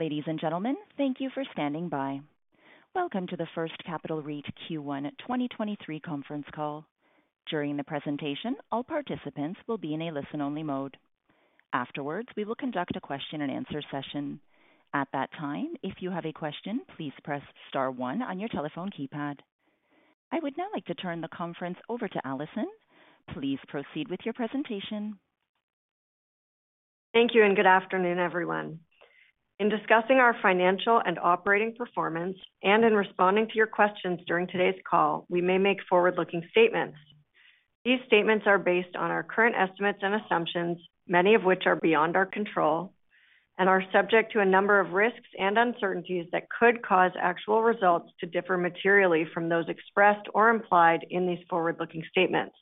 Ladies and gentlemen, thank you for standing by. Welcome to the First Capital REIT Q1 2023 conference call. During the presentation, all participants will be in a listen-only mode. Afterwards, we will conduct a question-and-answer session. At that time, if you have a question, please press star one on your telephone keypad. I would now like to turn the conference over to Alison. Please proceed with your presentation. Thank you. Good afternoon, everyone. In discussing our financial and operating performance and in responding to your questions during today's call, we may make forward-looking statements. These statements are based on our current estimates and assumptions, many of which are beyond our control, and are subject to a number of risks and uncertainties that could cause actual results to differ materially from those expressed or implied in these forward-looking statements.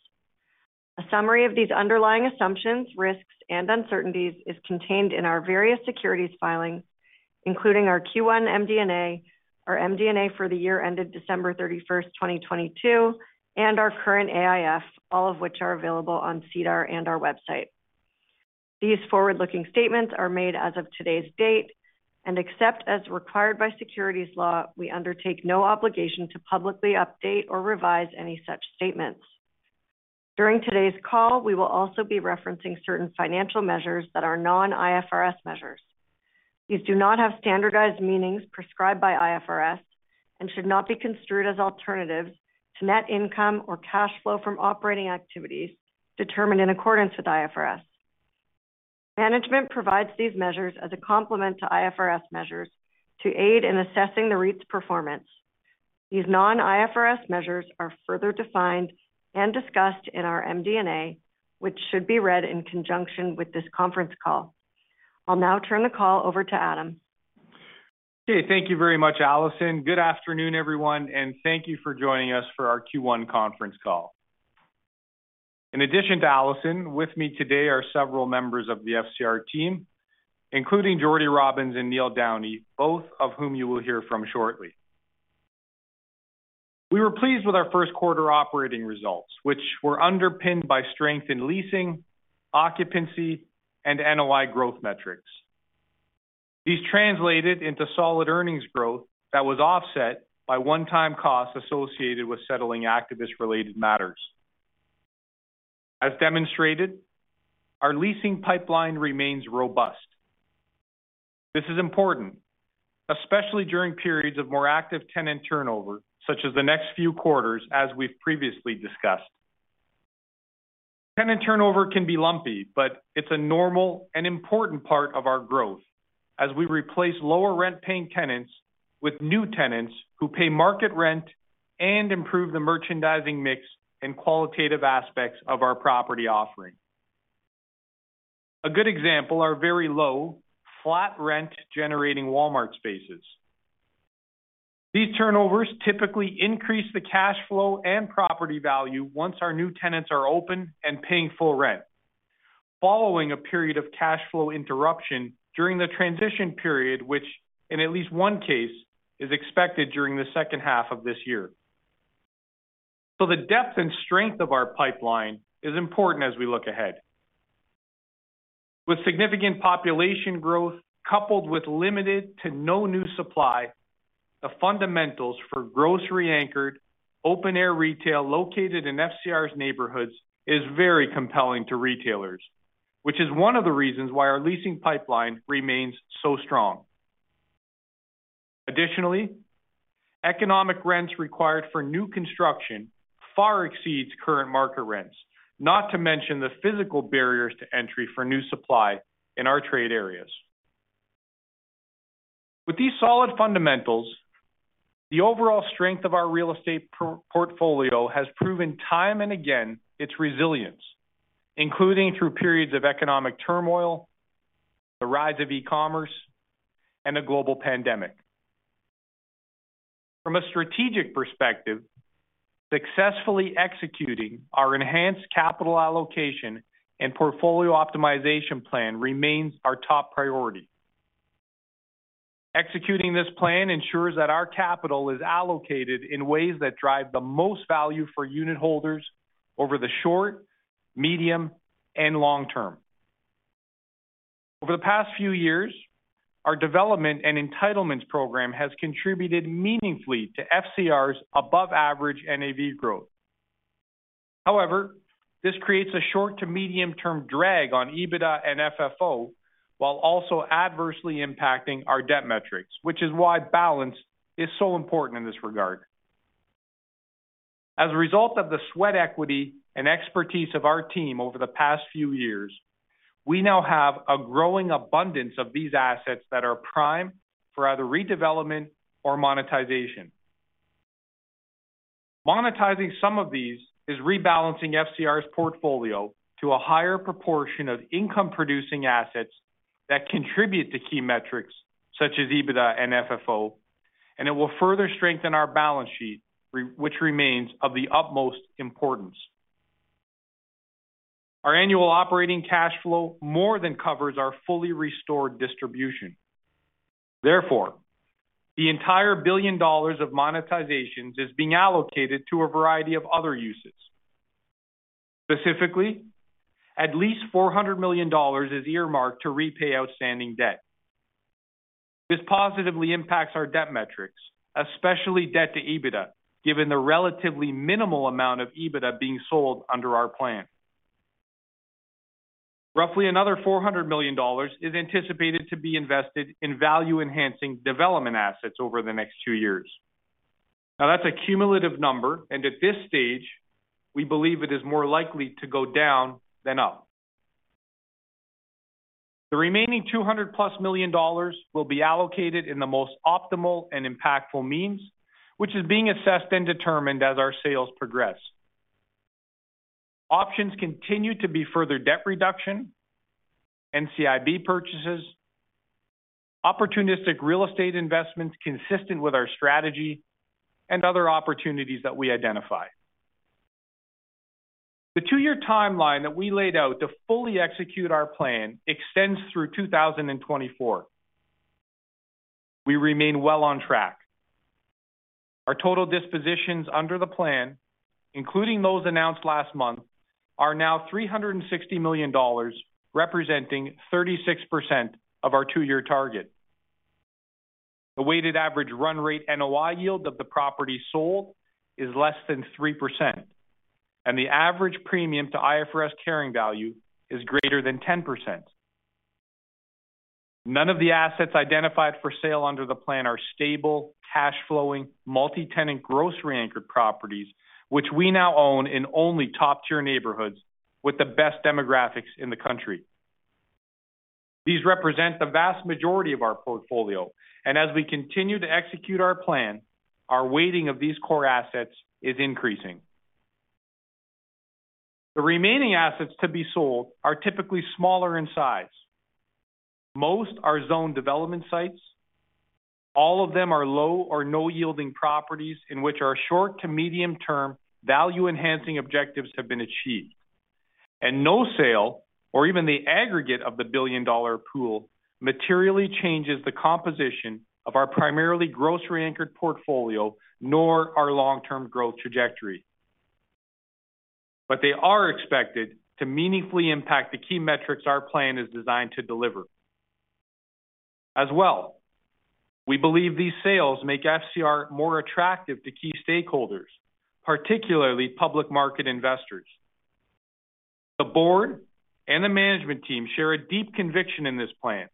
A summary of these underlying assumptions, risks, and uncertainties is contained in our various securities filings, including our Q1 MD&A, our MD&A for the year ended December 31st, 2022, and our current AIF, all of which are available on SEDAR and our website. These forward-looking statements are made as of today's date. Except as required by securities law, we undertake no obligation to publicly update or revise any such statements. During today's call, we will also be referencing certain financial measures that are non-IFRS measures. These do not have standardized meanings prescribed by IFRS and should not be construed as alternatives to net income or cash flow from operating activities determined in accordance with IFRS. Management provides these measures as a complement to IFRS measures to aid in assessing the REIT's performance. These non-IFRS measures are further defined and discussed in our MD&A, which should be read in conjunction with this conference call. I'll now turn the call over to Adam. Thank you very much, Alison. Good afternoon, everyone, and thank you for joining us for our Q1 conference call. In addition to Alison, with me today are several members of the FCR team, including Jordy Robins and Neil Downey, both of whom you will hear from shortly. We were pleased with our first quarter operating results, which were underpinned by strength in leasing, occupancy, and NOI growth metrics. These translated into solid earnings growth that was offset by one-time costs associated with settling activist-related matters. As demonstrated, our leasing pipeline remains robust. This is important, especially during periods of more active tenant turnover, such as the next few quarters, as we've previously discussed. Tenant turnover can be lumpy, but it's a normal and important part of our growth as we replace lower rent-paying tenants with new tenants who pay market rent and improve the merchandising mix and qualitative aspects of our property offering. A good example are very low, flat rent generating Walmart spaces. These turnovers typically increase the cash flow and property value once our new tenants are open and paying full rent. Following a period of cash flow interruption during the transition period, which in at least one case, is expected during the second half of this year. The depth and strength of our pipeline is important as we look ahead. With significant population growth coupled with limited to no new supply, the fundamentals for grocery-anchored, open-air retail located in FCR's neighborhoods is very compelling to retailers, which is one of the reasons why our leasing pipeline remains so strong. Additionally, economic rents required for new construction far exceeds current market rents, not to mention the physical barriers to entry for new supply in our trade areas. With these solid fundamentals, the overall strength of our real estate portfolio has proven time and again its resilience, including through periods of economic turmoil, the rise of e-commerce, and a global pandemic. From a strategic perspective, successfully executing our enhanced capital allocation and portfolio optimization plan remains our top priority. Executing this plan ensures that our capital is allocated in ways that drive the most value for unit holders over the short, medium, and long term. Over the past few years, our development and entitlements program has contributed meaningfully to FCR's above average NAV growth. This creates a short to medium term drag on EBITDA and FFO, while also adversely impacting our debt metrics, which is why balance is so important in this regard. As a result of the sweat equity and expertise of our team over the past few years, we now have a growing abundance of these assets that are prime for either redevelopment or monetization. Monetizing some of these is rebalancing FCR's portfolio to a higher proportion of income-producing assets that contribute to key metrics such as EBITDA and FFO, and it will further strengthen our balance sheet, which remains of the utmost importance. Our annual operating cash flow more than covers our fully restored distribution. Therefore, the entire $1 billion of monetizations is being allocated to a variety of other uses. Specifically, at least $400 million is earmarked to repay outstanding debt. This positively impacts our debt metrics, especially debt to EBITDA, given the relatively minimal amount of EBITDA being sold under our plan. Roughly another $400 million is anticipated to be invested in value-enhancing development assets over the next two years. Now that's a cumulative number, and at this stage, we believe it is more likely to go down than up. The remaining $200+ million will be allocated in the most optimal and impactful means, which is being assessed and determined as our sales progress. Options continue to be further debt reduction, NCIB purchases, opportunistic real estate investments consistent with our strategy, and other opportunities that we identify. The two-year timeline that we laid out to fully execute our plan extends through 2024. We remain well on track. Our total dispositions under the plan, including those announced last month, are now $360 million, representing 36% of our two-year target. The weighted average run rate NOI yield of the property sold is less than 3%, and the average premium to IFRS carrying value is greater than 10%. None of the assets identified for sale under the plan are stable, cash flowing, multi-tenant, grocery-anchored properties, which we now own in only top-tier neighborhoods with the best demographics in the country. These represent the vast majority of our portfolio, and as we continue to execute our plan, our weighting of these core assets is increasing. The remaining assets to be sold are typically smaller in size. Most are zone development sites. All of them are low or no yielding properties in which our short to medium term value enhancing objectives have been achieved. No sale or even the aggregate of the $1 billion pool materially changes the composition of our primarily grocery anchored portfolio, nor our long-term growth trajectory. They are expected to meaningfully impact the key metrics our plan is designed to deliver. We believe these sales make FCR more attractive to key stakeholders, particularly public market investors. The board and the management team share a deep conviction in this plan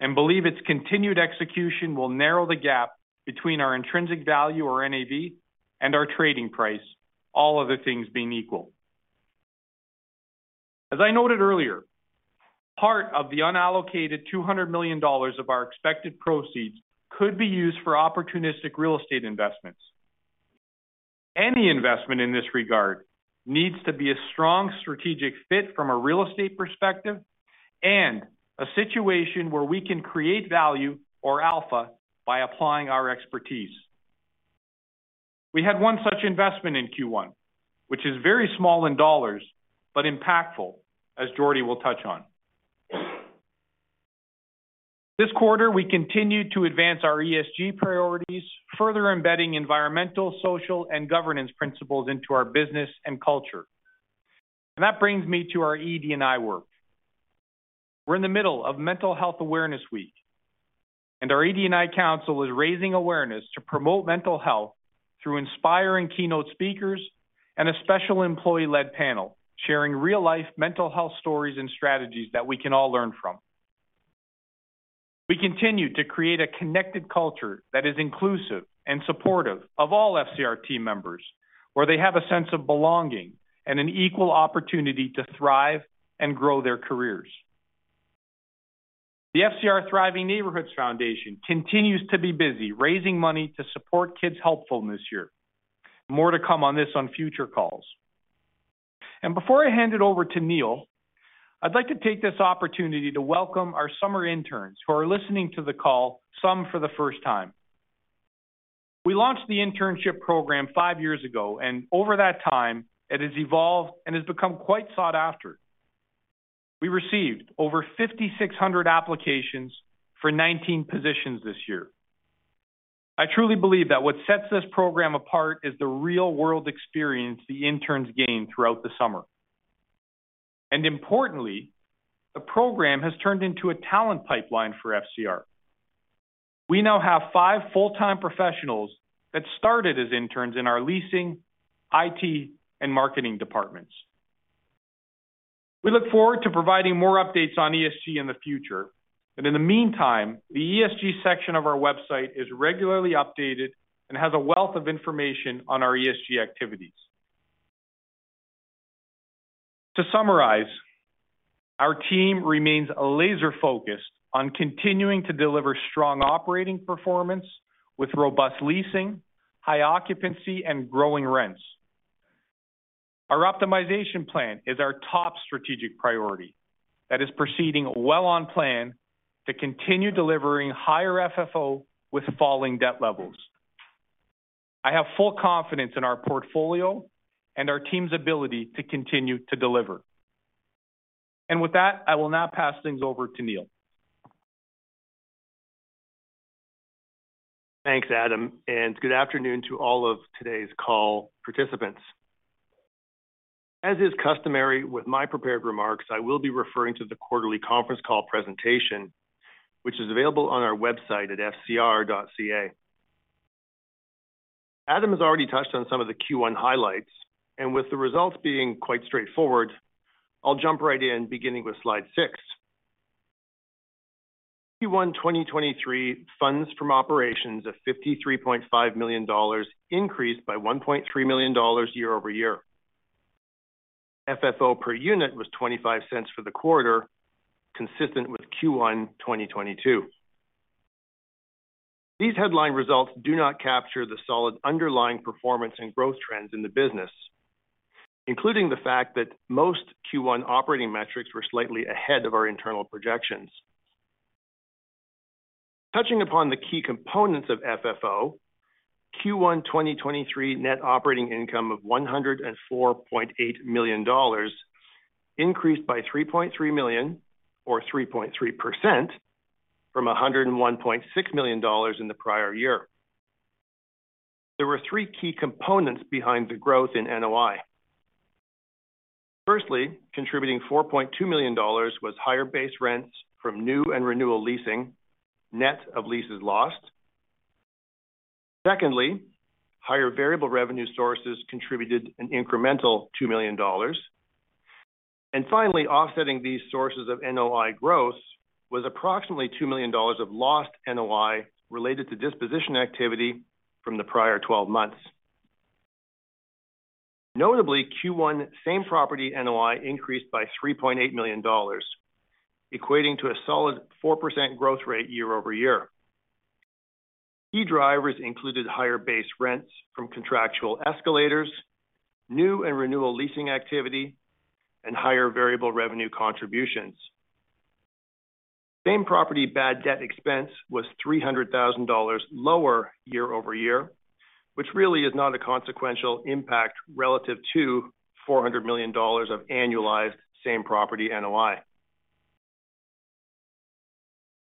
and believe its continued execution will narrow the gap between our intrinsic value or NAV and our trading price, all other things being equal. As I noted earlier, part of the unallocated $200 million of our expected proceeds could be used for opportunistic real estate investments. Any investment in this regard needs to be a strong strategic fit from a real estate perspective and a situation where we can create value or alpha by applying our expertise. We had one such investment in Q1, which is very small in dollars but impactful, as Jordy will touch on. This quarter, we continued to advance our ESG priorities, further embedding environmental, social, and governance principles into our business and culture. That brings me to our ED&I work. We're in the middle of Mental Health Awareness Week, and our ED&I Council is raising awareness to promote mental health through inspiring keynote speakers and a special employee-led panel sharing real-life mental health stories and strategies that we can all learn from. We continue to create a connected culture that is inclusive and supportive of all FCR team members, where they have a sense of belonging and an equal opportunity to thrive and grow their careers. The FCR Thriving Neighbourhoods Foundation continues to be busy raising money to support Kids Help Phone. More to come on this on future calls. Before I hand it over to Neil, I'd like to take this opportunity to welcome our summer interns who are listening to the call, some for the first time. We launched the internship program five years ago, and over that time, it has evolved and has become quite sought after. We received over 5,600 applications for 19 positions this year. I truly believe that what sets this program apart is the real-world experience the interns gain throughout the summer. Importantly, the program has turned into a talent pipeline for FCR. We now have five full-time professionals that started as interns in our leasing, IT, and marketing departments. We look forward to providing more updates on ESG in the future. In the meantime, the ESG section of our website is regularly updated and has a wealth of information on our ESG activities. To summarize, our team remains laser-focused on continuing to deliver strong operating performance with robust leasing, high occupancy, and growing rents. Our optimization plan is our top strategic priority that is proceeding well on plan to continue delivering higher FFO with falling debt levels. I have full confidence in our portfolio and our team's ability to continue to deliver. With that, I will now pass things over to Neil. Thanks, Adam, good afternoon to all of today's call participants. As is customary with my prepared remarks, I will be referring to the quarterly conference call presentation, which is available on our website at fcr.ca. Adam has already touched on some of the Q1 highlights, and with the results being quite straightforward, I'll jump right in, beginning with slide six. Q1 2023 funds from operations of $53.5 million increased by $1.3 million year-over-year. FFO per unit was $0.25 for the quarter, consistent with Q1 2022. These headline results do not capture the solid underlying performance and growth trends in the business, including the fact that most Q1 operating metrics were slightly ahead of our internal projections. Touching upon the key components of FFO, Q1 2023 net operating income of $104.8 million increased by $3.3 million or 3.3% from $101.6 million in the prior year. There were three key components behind the growth in NOI. Firstly, contributing $4.2 million was higher base rents from new and renewal leasing, net of leases lost. Secondly, higher variable revenue sources contributed an incremental $2 million. Finally, offsetting these sources of NOI growth was approximately $2 million of lost NOI related to disposition activity from the prior 12 months. Notably, Q1 same property NOI increased by $3.8 million, equating to a solid 4% growth rate year-over-year. Key drivers included higher base rents from contractual escalators, new and renewal leasing activity, and higher variable revenue contributions. Same property bad debt expense was $300,000 lower year-over-year, which really is not a consequential impact relative to $400 million of annualized same property NOI.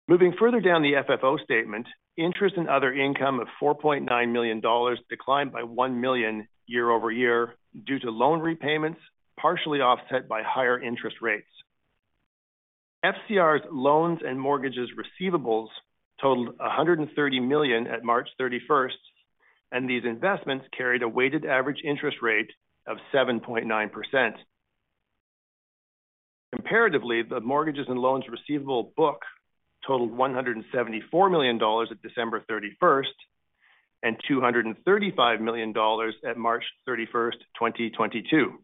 Moving further down the FFO statement, interest and other income of $4.9 million declined by $1 million year-over-year due to loan repayments, partially offset by higher interest rates. FCR's loans and mortgages receivables totaled $130 million at March 31st, and these investments carried a weighted average interest rate of 7.9%. Comparatively, the mortgages and loans receivable book totaled $174 million at December 31st and $235 million at March 31st, 2022.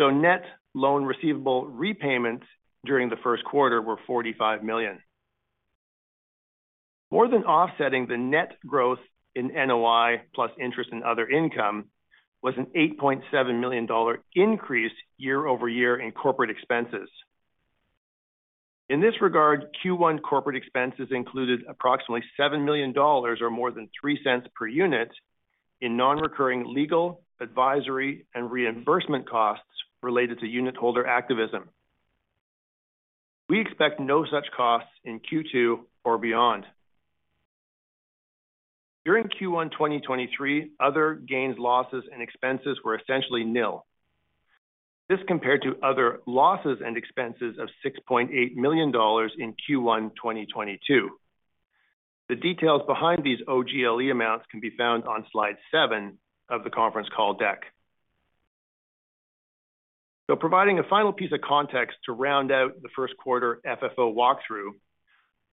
Net loan receivable repayments during the first quarter were $45 million. More than offsetting the net growth in NOI plus interest in other income was a $8.7 million increase year-over-year in corporate expenses. In this regard, Q1 corporate expenses included approximately $7 million or more than $0.03 per unit in non-recurring legal, advisory, and reimbursement costs related to unitholder activism. We expect no such costs in Q2 or beyond. During Q1 2023, other gains, losses, and expenses were essentially nil. This compared to other losses and expenses of $6.8 million in Q1 2022. The details behind these IFRS amounts can be found on slide seven of the conference call deck. Providing a final piece of context to round out the first quarter FFO walkthrough,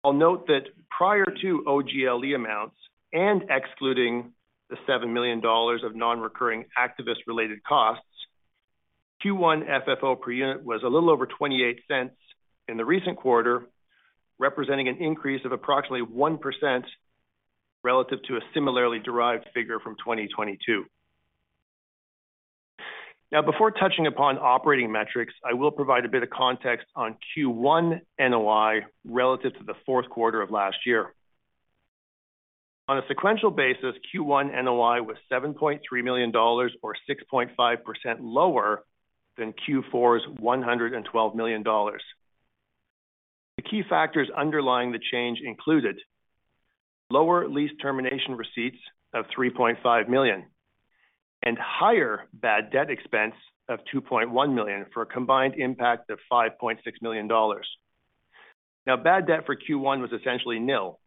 I'll note that prior to IFRS amounts and excluding the $7 million of non-recurring activist-related costs, Q1 FFO per unit was a little over $0.28 in the recent quarter, representing an increase of approximately 1% relative to a similarly derived figure from 2022. Before touching upon operating metrics, I will provide a bit of context on Q1 NOI relative to the fourth quarter of last year. On a sequential basis, Q1 NOI was $7.3 million or 6.5% lower than Q4's $112 million. The key factors underlying the change included lower lease termination receipts of $3.5 million and higher bad debt expense of $2.1 million, for a combined impact of $5.6 million. Bad debt for Q1 was essentially nil.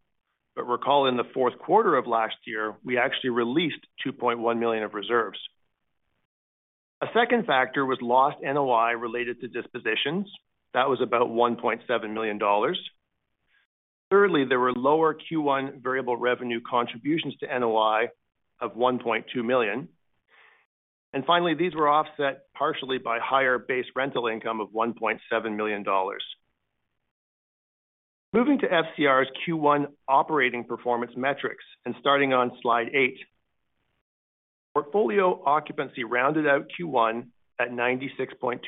Recall in the fourth quarter of last year, we actually released $2.1 million of reserves. A second factor was lost NOI related to dispositions. That was about $1.7 million. Thirdly, there were lower Q1 variable revenue contributions to NOI of $1.2 million. Finally, these were offset partially by higher base rental income of $1.7 million. Moving to FCR's Q1 operating performance metrics and starting on slide eight. Portfolio occupancy rounded out Q1 at 96.2%.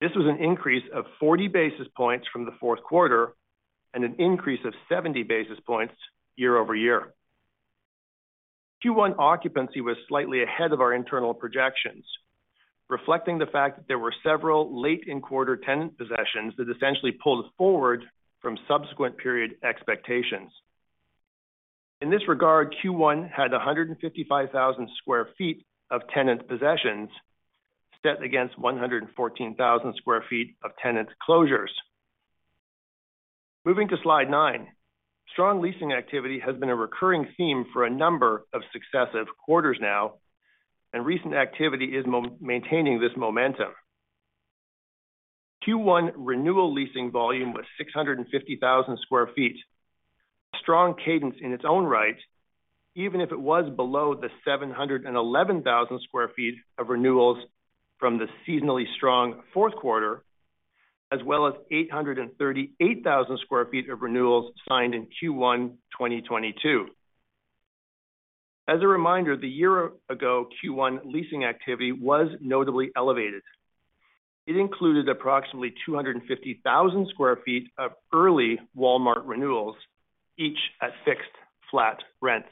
This was an increase of 40 basis points from the fourth quarter and an increase of 70 basis points year-over-year. Q1 occupancy was slightly ahead of our internal projections, reflecting the fact that there were several late in quarter tenant possessions that essentially pulled us forward from subsequent period expectations. In this regard, Q1 had 155,000 sq ft of tenant possessions set against 114,000 sq ft of tenant closures. Moving to slide nine. Strong leasing activity has been a recurring theme for a number of successive quarters now, and recent activity is maintaining this momentum. Q1 renewal leasing volume was 650,000 sq ft. A strong cadence in its own right, even if it was below the 711,000 sq ft of renewals from the seasonally strong fourth quarter, as well as 838,000 sq ft of renewals signed in Q1 2022. As a reminder, the year ago Q1 leasing activity was notably elevated. It included approximately 250,000 sq ft of early Walmart renewals, each at fixed flat rents.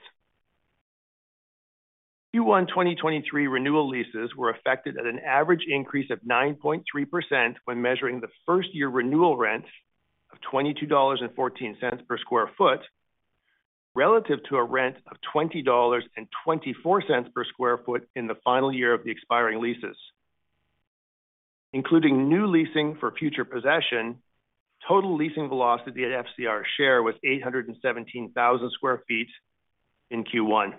Q1 2023 renewal leases were affected at an average increase of 9.3% when measuring the first year renewal rents of $22.14 per sq ft, relative to a rent of $20.24 per sq ft in the final year of the expiring leases. Including new leasing for future possession, total leasing velocity at FCR share was 817,000 sq ft in Q1.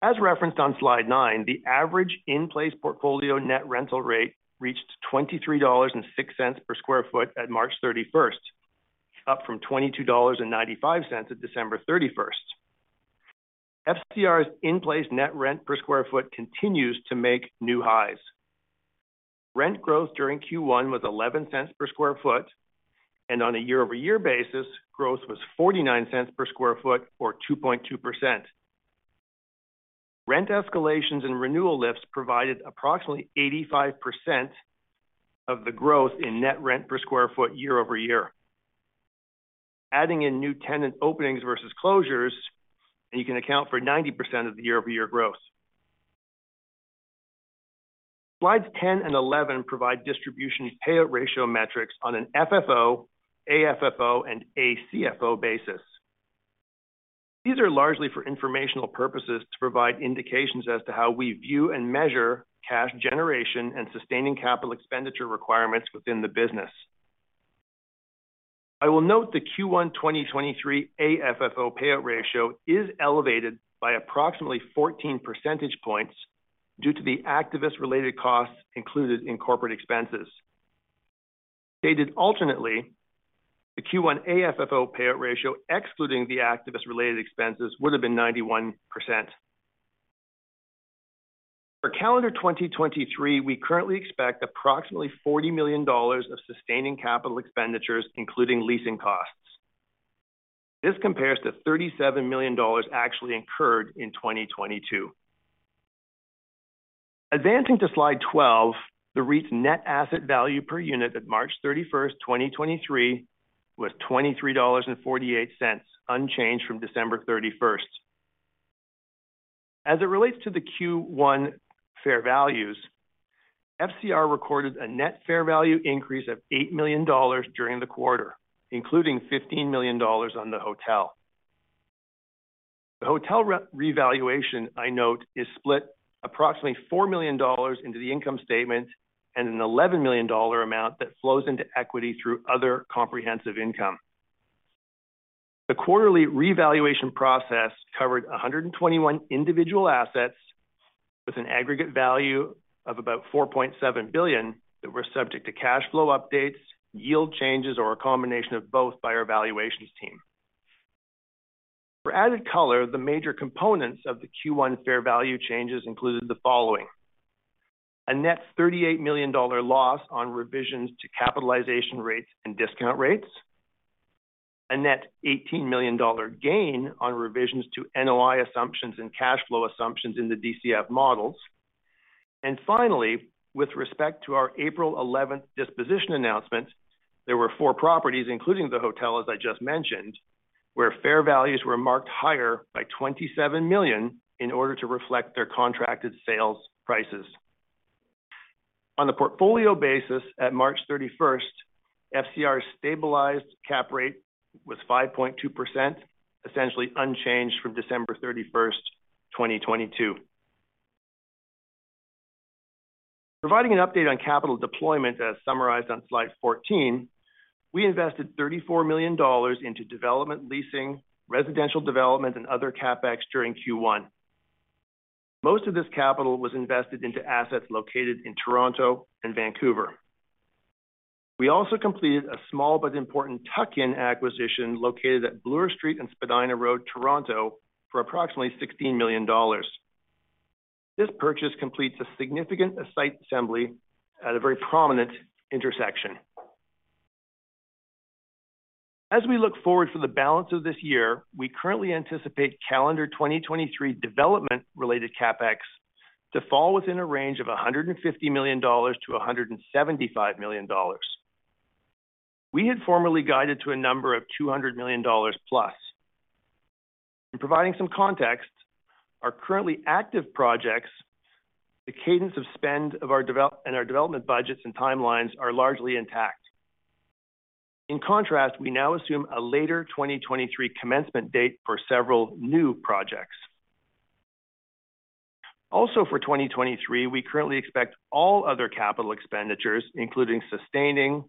As referenced on slide nine, the average in-place portfolio net rental rate reached $23.06 per sq ft at March 31st, up from $22.95 at December 31st. FCR's in-place net rent per square ftoo continues to make new highs. Rent growth during Q1 was $0.11 per square foot, and on a year-over-year basis, growth was $0.49 per square foot or 2.2%. Rent escalations and renewal lifts provided approximately 85% of the growth in net rent per square foot year-over-year. Adding in new tenant openings versus closures, you can account for 90% of the year-over-year growth. Slides 10 and 11 provide distribution payout ratio metrics on an FFO, AFFO, and ACFO basis. These are largely for informational purposes to provide indications as to how we view and measure cash generation and sustaining capital expenditure requirements within the business. I will note the Q1 2023 AFFO payout ratio is elevated by approximately 14 percentage points due to the activist-related costs included in corporate expenses. Stated alternately, the Q1 AFFO payout ratio excluding the activist-related expenses would have been 91%. For calendar 2023, we currently expect approximately $40 million of sustaining capital expenditures, including leasing costs. This compares to $37 million actually incurred in 2022. Advancing to slide 12, the REIT's net asset value per unit at March 31st, 2023 was $23.48, unchanged from December 31st. As it relates to the Q1 fair values, FCR recorded a net fair value increase of $8 million during the quarter, including $15 million on the hotel. The hotel re-revaluation, I note, is split approximately $4 million into the income statement and a $11 million amount that flows into equity through other comprehensive income. The quarterly revaluation process covered 121 individual assets with an aggregate value of about $4.7 billion that were subject to cash flow updates, yield changes, or a combination of both by our valuations team. For added color, the major components of the Q1 fair value changes included the following: A net $38 million loss on revisions to capitalization rates and discount rates. A net $18 million gain on revisions to NOI assumptions and cash flow assumptions in the DCF models. Finally, with respect to our April 11th disposition announcement, there were four properties, including the hotel, as I just mentioned, where fair values were marked higher by $27 million in order to reflect their contracted sales prices. On the portfolio basis at March 31st, FCR's stabilized cap rate was 5.2%, essentially unchanged from December 31st, 2022. Providing an update on capital deployment as summarized on slide 14, we invested $34 million into development leasing, residential development, and other CapEx during Q1. Most of this capital was invested into assets located in Toronto and Vancouver. We also completed a small but important tuck-in acquisition located at Bloor Street and Spadina Road, Toronto, for approximately $16 million. This purchase completes a significant site assembly at a very prominent intersection. As we look forward for the balance of this year, we currently anticipate calendar 2023 development related CapEx to fall within a range of $150 million-$175 million. We had formerly guided to a number of $200 million+. In providing some context, our currently active projects, the cadence of spend of our and our development budgets and timelines are largely intact. In contrast, we now assume a later 2023 commencement date for several new projects. For 2023, we currently expect all other capital expenditures, including sustaining,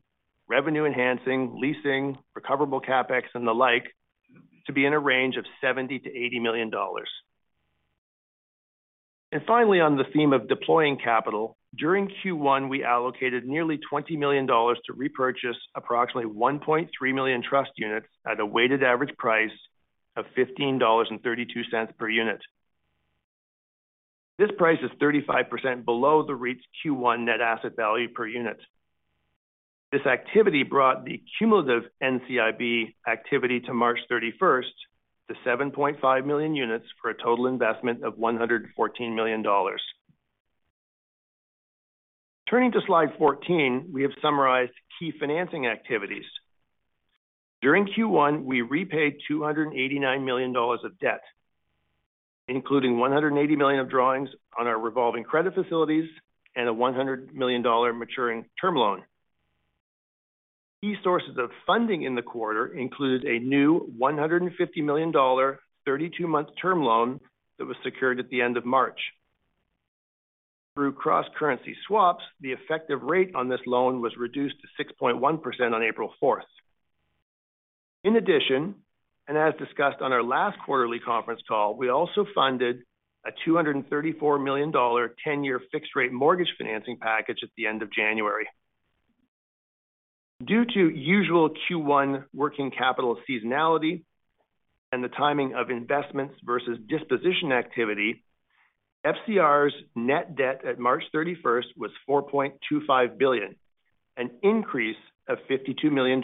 revenue enhancing, leasing, recoverable CapEx and the like, to be in a range of $70 million-$80 million. Finally, on the theme of deploying capital, during Q1, we allocated nearly $20 million to repurchase approximately 1.3 million trust units at a weighted average price of $15.32 per unit. This price is 35% below the REIT's Q1 net asset value per unit. This activity brought the cumulative NCIB activity to March 31st to 7.5 million units for a total investment of $114 million. Turning to slide 14, we have summarized key financing activities. During Q1, we repaid $289 million of debt, including $180 million of drawings on our revolving credit facilities and a $100 million maturing term loan. Key sources of funding in the quarter includes a new $150 million 32-month term loan that was secured at the end of March. Through cross-currency swaps, the effective rate on this loan was reduced to 6.1% on April4th. In addition, and as discussed on our last quarterly conference call, we also funded a $234 million 10-year fixed rate mortgage financing package at the end of January. Due to usual Q1 working capital seasonality and the timing of investments versus disposition activity, FCR's net debt at March 31st was $4.25 billion, an increase of $52 million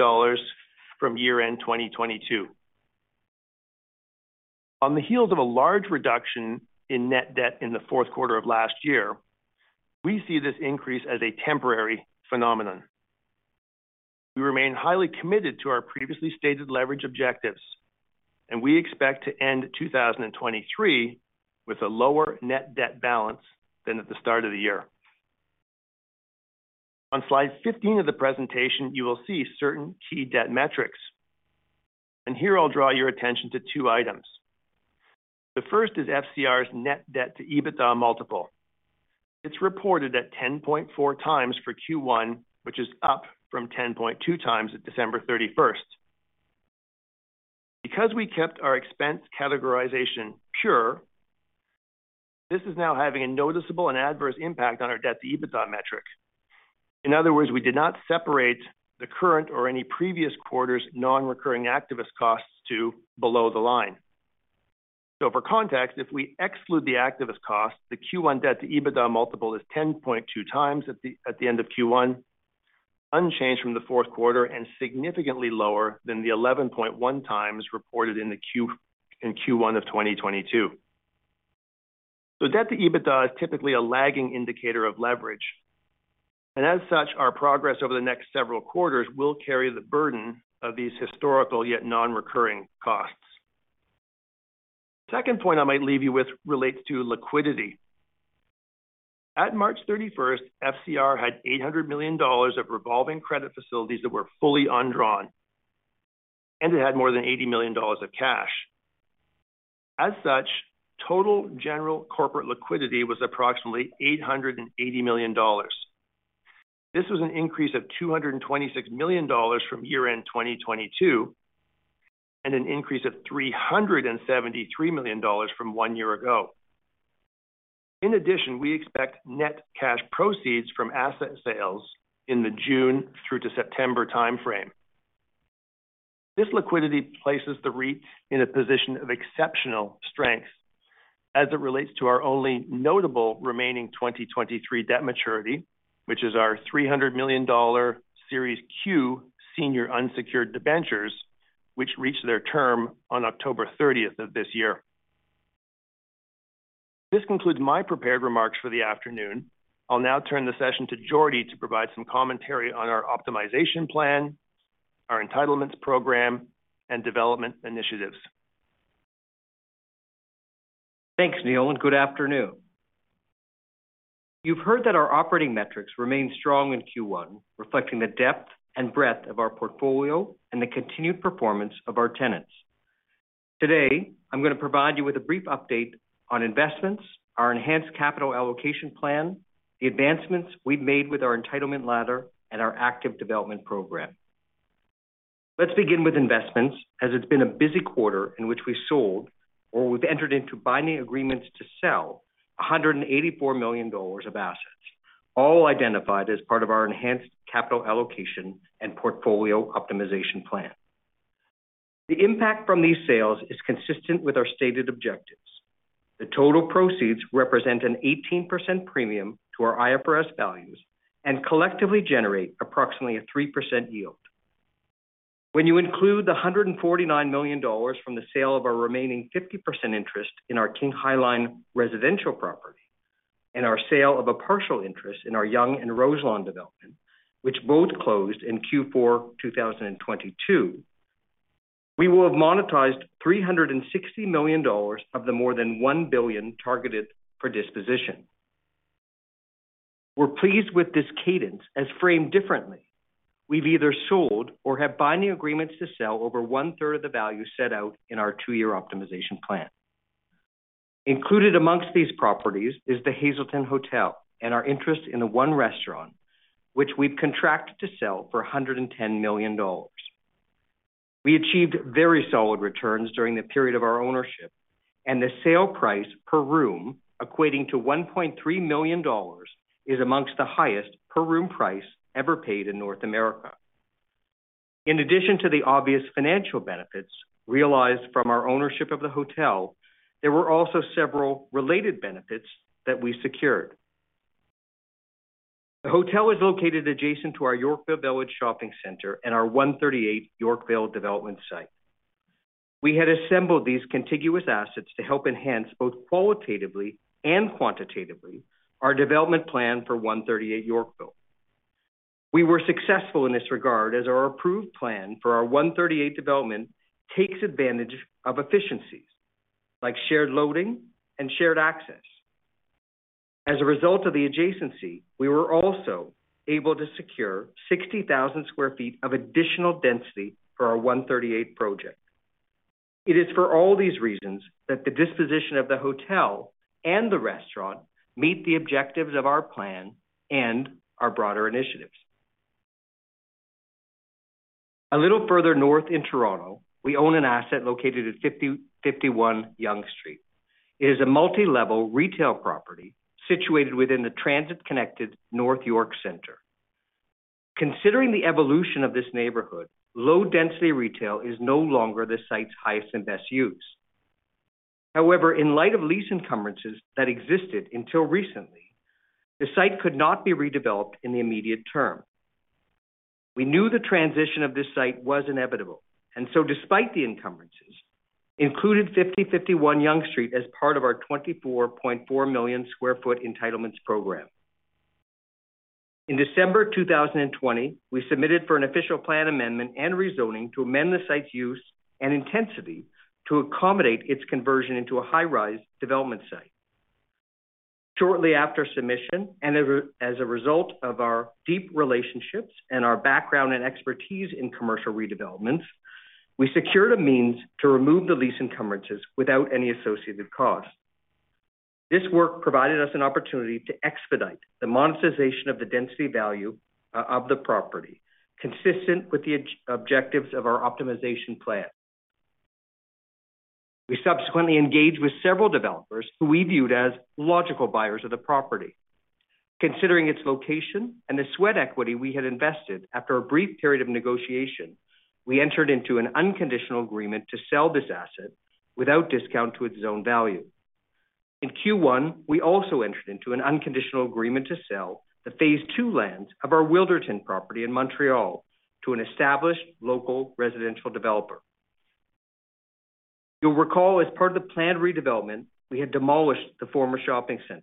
from year-end 2022. On the heels of a large reduction in net debt in the fourth quarter of last year, we see this increase as a temporary phenomenon. We remain highly committed to our previously stated leverage objectives. We expect to end 2023 with a lower net debt balance than at the start of the year. On slide 15 of the presentation, you will see certain key debt metrics. Here I'll draw your attention to two items. The first is FCR's net debt to EBITDA multiple. It's reported at 10.4x for Q1, which is up from 10.2x at December 31st. Because we kept our expense categorization pure, this is now having a noticeable and adverse impact on our debt-to-EBITDA metric. In other words, we did not separate the current or any previous quarter's non-recurring activist costs to below the line. For context, if we exclude the activist cost, the Q1 debt to EBITDA multiple is 10.2x at the end of Q1, unchanged from the fourth quarter and significantly lower than the 11.1x reported in Q1 of 2022. Debt to EBITDA is typically a lagging indicator of leverage, and as such, our progress over the next several quarters will carry the burden of these historical yet non-recurring costs. Second point I might leave you with relates to liquidity. At March 31st, FCR had $800 million of revolving credit facilities that were fully undrawn, and it had more than $80 million of cash. As such, total general corporate liquidity was approximately $880 million. This was an increase of $226 million from year-end 2022, and an increase of $373 million from one year ago. In addition, we expect net cash proceeds from asset sales in the June through to September timeframe. This liquidity places the REIT in a position of exceptional strength as it relates to our only notable remaining 2023 debt maturity, which is our $300 million Series Q Senior Unsecured Debentures, which reach their term on October 30th of this year. This concludes my prepared remarks for the afternoon. I'll now turn the session to Jordy to provide some commentary on our optimization plan, our entitlements program, and development initiatives. Thanks, Neil, and good afternoon. You've heard that our operating metrics remained strong in Q1, reflecting the depth and breadth of our portfolio and the continued performance of our tenants. Today, I'm gonna provide you with a brief update on investments, our enhanced capital allocation plan, the advancements we've made with our entitlement ladder, and our active development program. Let's begin with investments, as it's been a busy quarter in which we sold or we've entered into binding agreements to sell $184 million of assets, all identified as part of our enhanced capital allocation and portfolio optimization plan. The impact from these sales is consistent with our stated objectives. The total proceeds represent an 18% premium to our IFRS values and collectively generate approximately a 3% yield. When you include the $149 million from the sale of our remaining 50% interest in our King High Line residential property, and our sale of a partial interest in our Yonge & Roselawn development, which both closed in Q4 2022. We will have monetized $360 million of the more than $1 billion targeted for disposition. We're pleased with this cadence, as framed differently. We've either sold or have binding agreements to sell over 1/3 of the value set out in our two-year optimization plan. Included amongst these properties is the Hazelton Hotel and our interest in the ONE Restaurant, which we've contracted to sell for $110 million. We achieved very solid returns during the period of our ownership. The sale price per room equating to $1.3 million is amongst the highest per room price ever paid in North America. In addition to the obvious financial benefits realized from our ownership of the hotel, there were also several related benefits that we secured. The hotel is located adjacent to our Yorkville Village shopping center and our 138 Yorkville development site. We had assembled these contiguous assets to help enhance, both qualitatively and quantitatively, our development plan for 138 Yorkville. We were successful in this regard, as our approved plan for our 138 development takes advantage of efficiencies like shared loading and shared access. As a result of the adjacency, we were also able to secure 60,000 sq ft of additional density for our 138 project. It is for all these reasons that the disposition of the hotel and the restaurant meet the objectives of our plan and our broader initiatives. A little further north in Toronto, we own an asset located at 5051 Yonge Street. It is a multi-level retail property situated within the transit-connected North York Centre. Considering the evolution of this neighborhood, low-density retail is no longer the site's highest and best use. However, in light of lease encumbrances that existed until recently, the site could not be redeveloped in the immediate term. We knew the transition of this site was inevitable. Despite the encumbrances, included 5051 Yonge Street as part of our 24.4 million sq ft entitlements program. In December 2020, we submitted for an official plan amendment and rezoning to amend the site's use and intensity to accommodate its conversion into a high-rise development site. Shortly after submission, as a result of our deep relationships and our background and expertise in commercial redevelopments, we secured a means to remove the lease encumbrances without any associated cost. This work provided us an opportunity to expedite the monetization of the density value of the property, consistent with the objectives of our optimization plan. We subsequently engaged with several developers who we viewed as logical buyers of the property. Considering its location and the sweat equity we had invested after a brief period of negotiation, we entered into an unconditional agreement to sell this asset without discount to its own value. In Q1, we also entered into an unconditional agreement to sell the Phase II lands of our Wilderton property in Montreal to an established local residential developer. You'll recall as part of the planned redevelopment, we had demolished the former shopping center.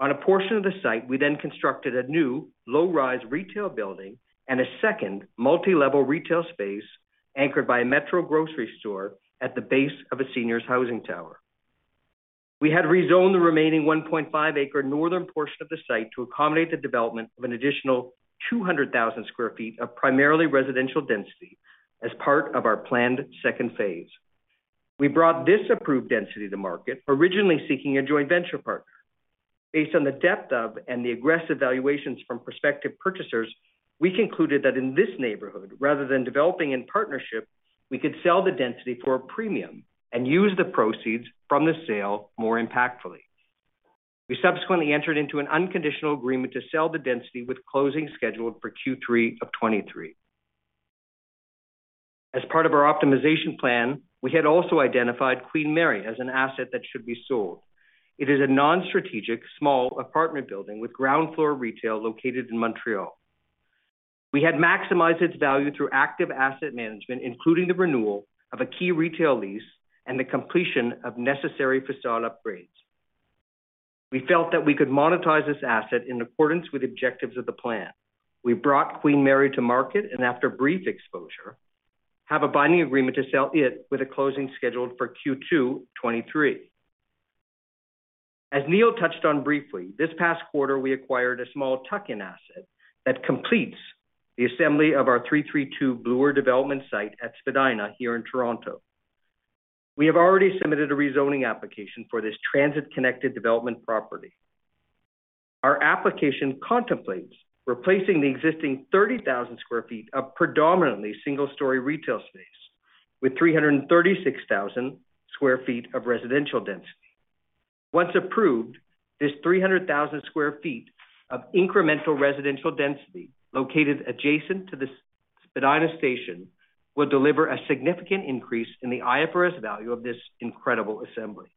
On a portion of the site, we constructed a new low-rise retail building and a second multi-level retail space anchored by a Metro grocery store at the base of a seniors housing tower. We had rezoned the remaining 1.5 acre northern portion of the site to accommodate the development of an additional 200,000 sq ft of primarily residential density as part of our planned second phase. We brought this approved density to market, originally seeking a joint venture partner. Based on the depth of and the aggressive valuations from prospective purchasers, we concluded that in this neighborhood, rather than developing in partnership, we could sell the density for a premium and use the proceeds from the sale more impactfully. We subsequently entered into an unconditional agreement to sell the density with closing scheduled for Q3 of 2023. As part of our optimization plan, we had also identified Queen Mary as an asset that should be sold. It is a non-strategic small apartment building with ground floor retail located in Montreal. We had maximized its value through active asset management, including the renewal of a key retail lease and the completion of necessary facade upgrades. We felt that we could monetize this asset in accordance with objectives of the plan. We brought Queen Mary to market after brief exposure, have a binding agreement to sell it with a closing scheduled for Q2 2023. As Neil touched on briefly, this past quarter we acquired a small tuck-in asset that completes the assembly of our 332 Bloor development site at Spadina here in Toronto. We have already submitted a rezoning application for this transit-connected development property. Our application contemplates replacing the existing 30,000 sq ft of predominantly single-story retail space with 336,000 sq ft of residential density. Once approved, this 300,000 sq ft of incremental residential density located adjacent to the Spadina station will deliver a significant increase in the IFRS value of this incredible assembly.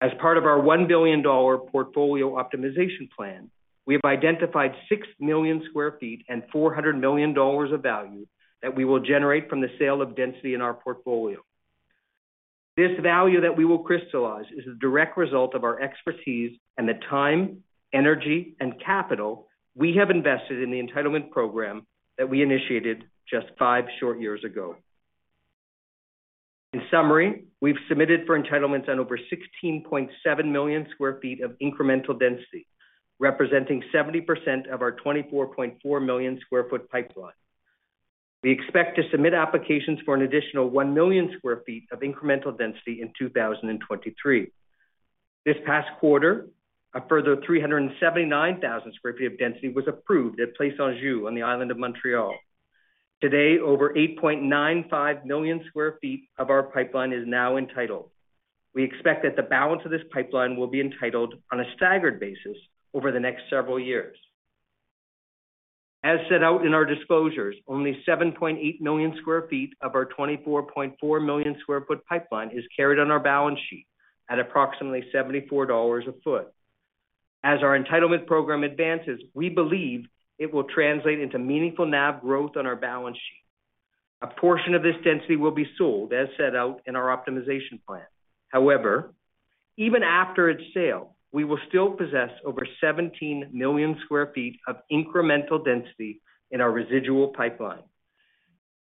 As part of our $1 billion portfolio optimization plan, we have identified 6 million sq ft and $400 million of value that we will generate from the sale of density in our portfolio. This value that we will crystallize is a direct result of our expertise and the time, energy, and capital we have invested in the entitlement program that we initiated just five short years ago. In summary, we've submitted for entitlements on over 16.7 million sq ft of incremental density, representing 70% of our 24.4 million sq ft pipeline. We expect to submit applications for an additional 1 million sq ft of incremental density in 2023. This past quarter, a further 379,000 sq ft of density was approved at Place Anjou on the island of Montreal. Today, over 8.95 million sq ft of our pipeline is now entitled. We expect that the balance of this pipeline will be entitled on a staggered basis over the next several years. As set out in our disclosures, only 7.8 million sq ft of our 24.4 million sq ft pipeline is carried on our balance sheet at approximately $74 a ft. As our entitlement program advances, we believe it will translate into meaningful NAV growth on our balance sheet. A portion of this density will be sold, as set out in our optimization plan. However, even after its sale, we will still possess over 17 million sq ft of incremental density in our residual pipeline,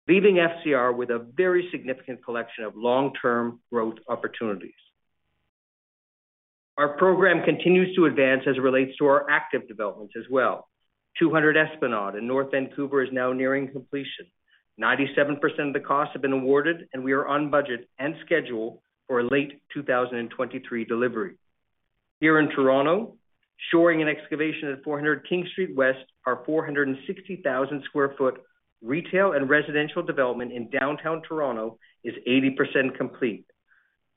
leaving FCR with a very significant collection of long-term growth opportunities. Our program continues to advance as it relates to our active developments as well. 200 Esplanade in North Vancouver is now nearing completion. 97% of the costs have been awarded. We are on budget and schedule for a late 2023 delivery. Here in Toronto, shoring and excavation at 400 King Street West, our 460,000 sq ft retail and residential development in downtown Toronto is 80% complete.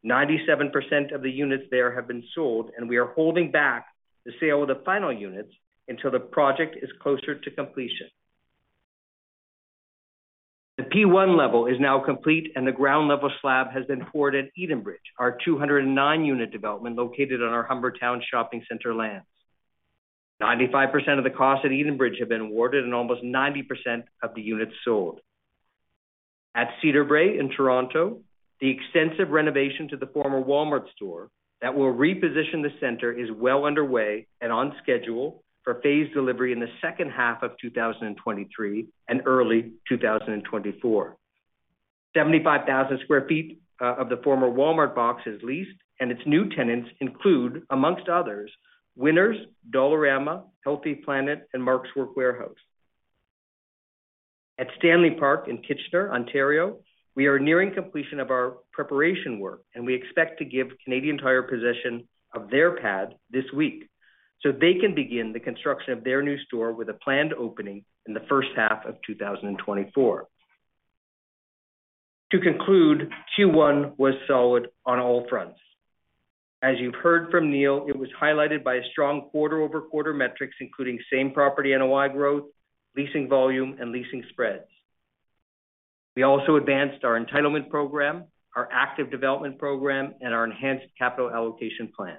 97% of the units there have been sold. We are holding back the sale of the final units until the project is closer to completion. The P1 level is now complete and the ground level slab has been poured at Edenbridge, our 209 unit development located on our Humbertown Shopping Centre lands. 95% of the costs at Edenbridge have been awarded and almost 90% of the units sold. At Cedarbrae in Toronto, the extensive renovation to the former Walmart store that will reposition the center is well underway and on schedule for phased delivery in the second half of 2023 and early 2024. 75,000 sq ft of the former Walmart box is leased and its new tenants include, amongst others, Winners, Dollarama, Healthy Planet, and Mark's Work Wearhouse. At Stanley Park in Kitchener, Ontario, we are nearing completion of our preparation work, and we expect to give Canadian Tire possession of their pad this week so they can begin the construction of their new store with a planned opening in the first half of 2024. To conclude, Q1 was solid on all fronts. As you've heard from Neil, it was highlighted by strong quarter-over-quarter metrics, including same-property NOI growth, leasing volume, and leasing spreads. We also advanced our entitlement program, our active development program, and our enhanced capital allocation plan.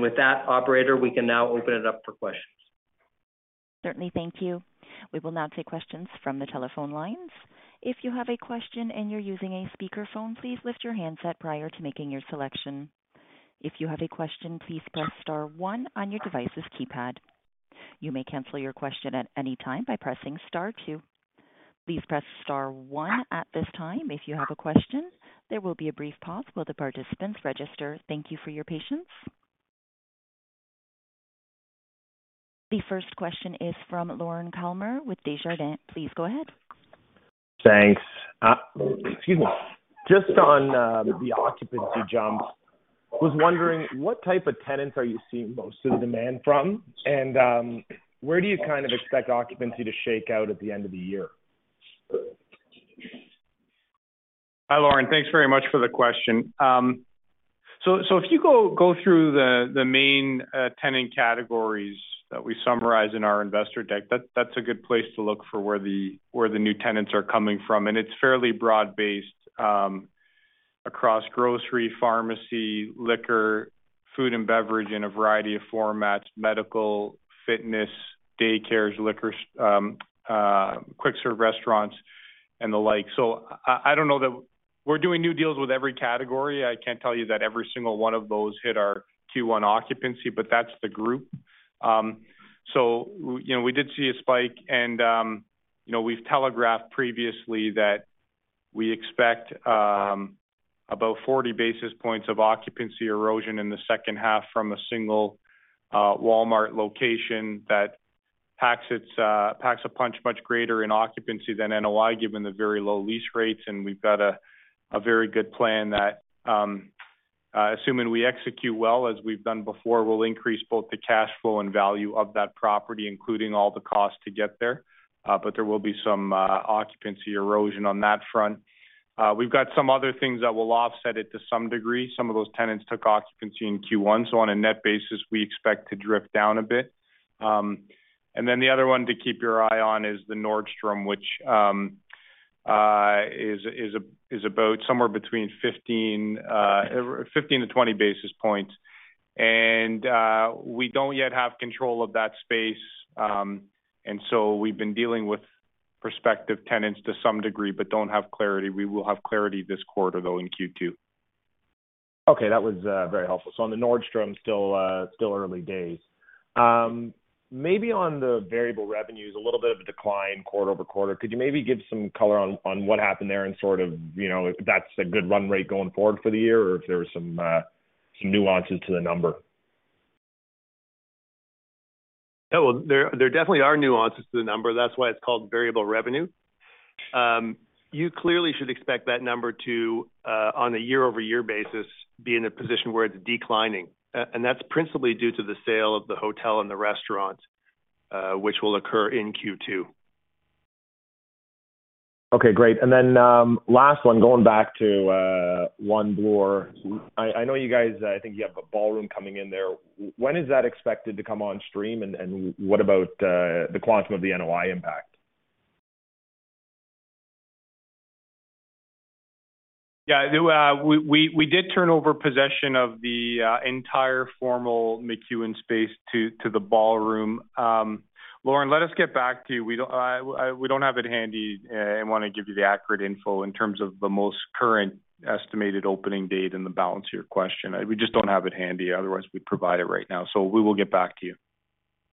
With that, operator, we can now open it up for questions. Certainly. Thank you. We will now take questions from the telephone lines. If you have a question and you're using a speakerphone, please lift your handset prior to making your selection. If you have a question, please press star one on your device's keypad. You may cancel your question at any time by pressing star two. Please press star one at this time if you have a question. There will be a brief pause while the participants register. Thank you for your patience. The first question is from Lorne Kalmar with Desjardins. Please go ahead. Thanks. Excuse me. Just on, the occupancy jump. Was wondering what type of tenants are you seeing most of the demand from? Where do you kind of expect occupancy to shake out at the end of the year? Hi, Loren. Thanks very much for the question. If you go through the main tenant categories that we summarize in our investor deck, that's a good place to look for where the new tenants are coming from, and it's fairly broad-based across grocery, pharmacy, liquor, food and beverage in a variety of formats, medical, fitness, daycares, quick serve restaurants and the like. We're doing new deals with every category. I can't tell you that every single one of those hit our Q1 occupancy, but that's the group. You know, we did see a spike and, you know, we've telegraphed previously that we expect about 40 basis points of occupancy erosion in the second half from a single Walmart location that packs a punch much greater in occupancy than NOI, given the very low lease rates. We've got a very good plan that, assuming we execute well as we've done before, will increase both the cash flow and value of that property, including all the costs to get there. There will be some occupancy erosion on that front. We've got some other things that will offset it to some degree. Some of those tenants took occupancy in Q1, so on a net basis, we expect to drift down a bit. The other one to keep your eye on is the Nordstrom, which is about somewhere between 15 basis points-20 basis points. We don't yet have control of that space. We've been dealing with prospective tenants to some degree, but don't have clarity. We will have clarity this quarter, though, in Q2. Okay. That was very helpful. On the Nordstrom still early days. Maybe on the variable revenues, a little bit of a decline quarter-over-quarter. Could you maybe give some color on what happened there and sort of, you know, if that's a good run rate going forward for the year or if there was some nuances to the number? Yeah. Well, there definitely are nuances to the number. That's why it's called variable revenue. You clearly should expect that number to on a year-over-year basis, be in a position where it's declining. That's principally due to the sale of the hotel and the restaurant, which will occur in Q2. Okay, great. Last one, going back to One Bloor. I know you guys, I think you have a ballroom coming in there. When is that expected to come on stream? What about the quantum of the NOI impact? Yeah. We did turn over possession of the entire formal McEwan space to the ballroom. Lorne, let us get back to you. We don't have it handy, and wanna give you the accurate info in terms of the most current estimated opening date and the balance of your question. We just don't have it handy, otherwise, we'd provide it right now. We will get back to you.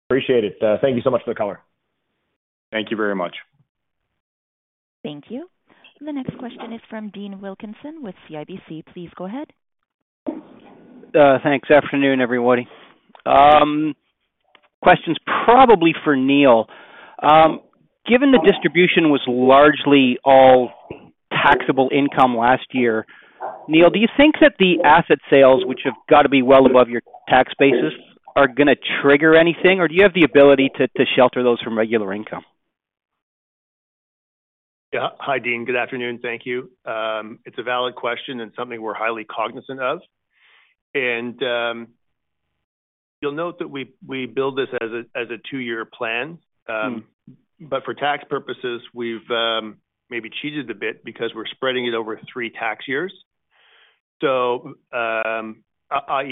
Appreciate it. Thank you so much for the color. Thank you very much. Thank you. The next question is from Dean Wilkinson with CIBC. Please go ahead. Thanks. Afternoon, everybody. Question's probably for Neil. Given the distribution was largely all taxable income last year, Neil, do you think that the asset sales, which have got to be well above your tax basis, are gonna trigger anything, or do you have the ability to shelter those from regular income? Yeah, hi, Dean. Good afternoon. Thank you. It's a valid question and something we're highly cognizant of. You'll note that we build this as a two-year plan. For tax purposes, we've maybe cheated a bit because we're spreading it over three tax years. I.e.,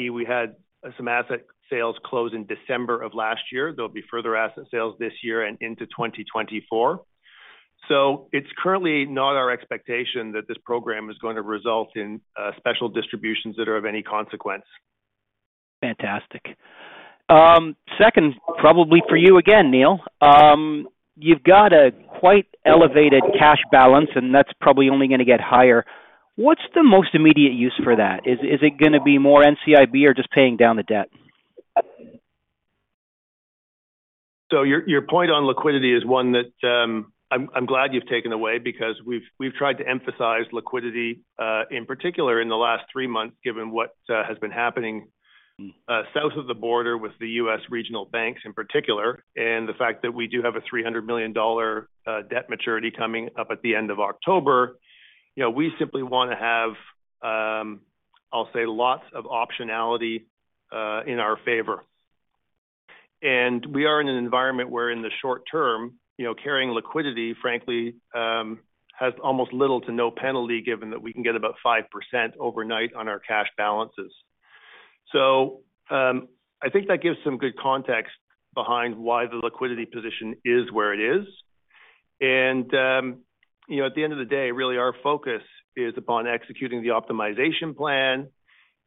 we had some asset sales close in December of last year. There'll be further asset sales this year and into 2024. It's currently not our expectation that this program is going to result in special distributions that are of any consequence. Fantastic. second, probably for you again, Neil. You've got a quite elevated cash balance, and that's probably only gonna get higher. What's the most immediate use for that? Is it gonna be more NCIB or just paying down the debt? Your point on liquidity is one that I'm glad you've taken away because we've tried to emphasize liquidity in particular in the last three months, given what has been happening south of the border with the U.S. regional banks in particular, and the fact that we do have a $300 million debt maturity coming up at the end of October. You know, we simply wanna have, I'll say, lots of optionality in our favor. We are in an environment where in the short term, you know, carrying liquidity, frankly, has almost little to no penalty given that we can get about 5% overnight on our cash balances. I think that gives some good context behind why the liquidity position is where it is. You know, at the end of the day, really our focus is upon executing the optimization plan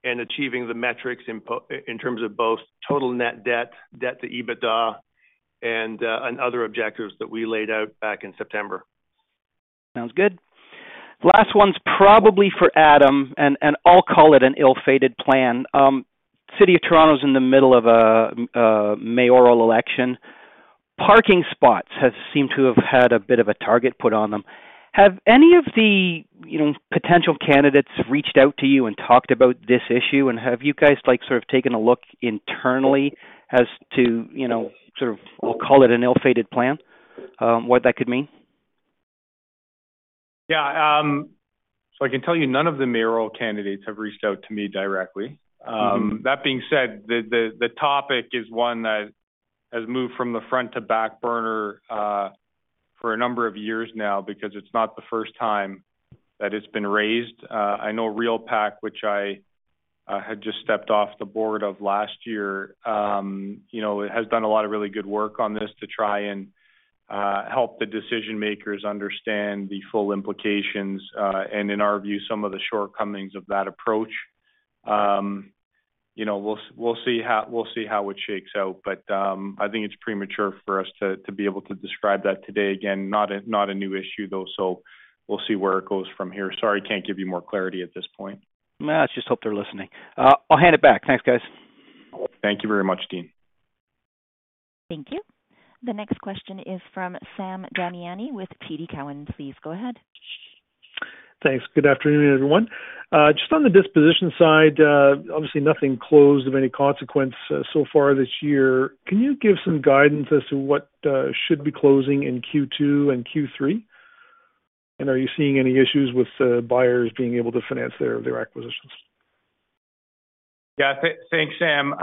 and achieving the metrics in terms of both total net debt to EBITDA and other objectives that we laid out back in September. Sounds good. Last one's probably for Adam, and I'll call it an ill-fated plan. City of Toronto is in the middle of a mayoral election. Parking spots have seemed to have had a bit of a target put on them. Have any of the, you know, potential candidates reached out to you and talked about this issue? Have you guys, like, sort of taken a look internally as to, you know, sort of, we'll call it an ill-fated plan, what that could mean? Yeah. I can tell you none of the mayoral candidates have reached out to me directly. That being said, the topic is one that has moved from the front to back burner for a number of years now because it's not the first time that it's been raised. I know REALPAC, which I had just stepped off the board of last year, you know, it has done a lot of really good work on this to try and help the decision-makers understand the full implications, and in our view, some of the shortcomings of that approach. You know, we'll see how it shakes out. I think it's premature for us to be able to describe that today. Again, not a, not a new issue, though, so we'll see where it goes from here. Sorry, can't give you more clarity at this point. Nah, let's just hope they're listening. I'll hand it back. Thanks, guys. Thank you very much, Dean. Thank you. The next question is from Sam Damiani with TD Cowen. Please go ahead. Thanks. Good afternoon, everyone. Just on the disposition side, obviously nothing closed of any consequence so far this year. Can you give some guidance as to what should be closing in Q2 and Q3? Are you seeing any issues with buyers being able to finance their acquisitions? Thanks, Sam.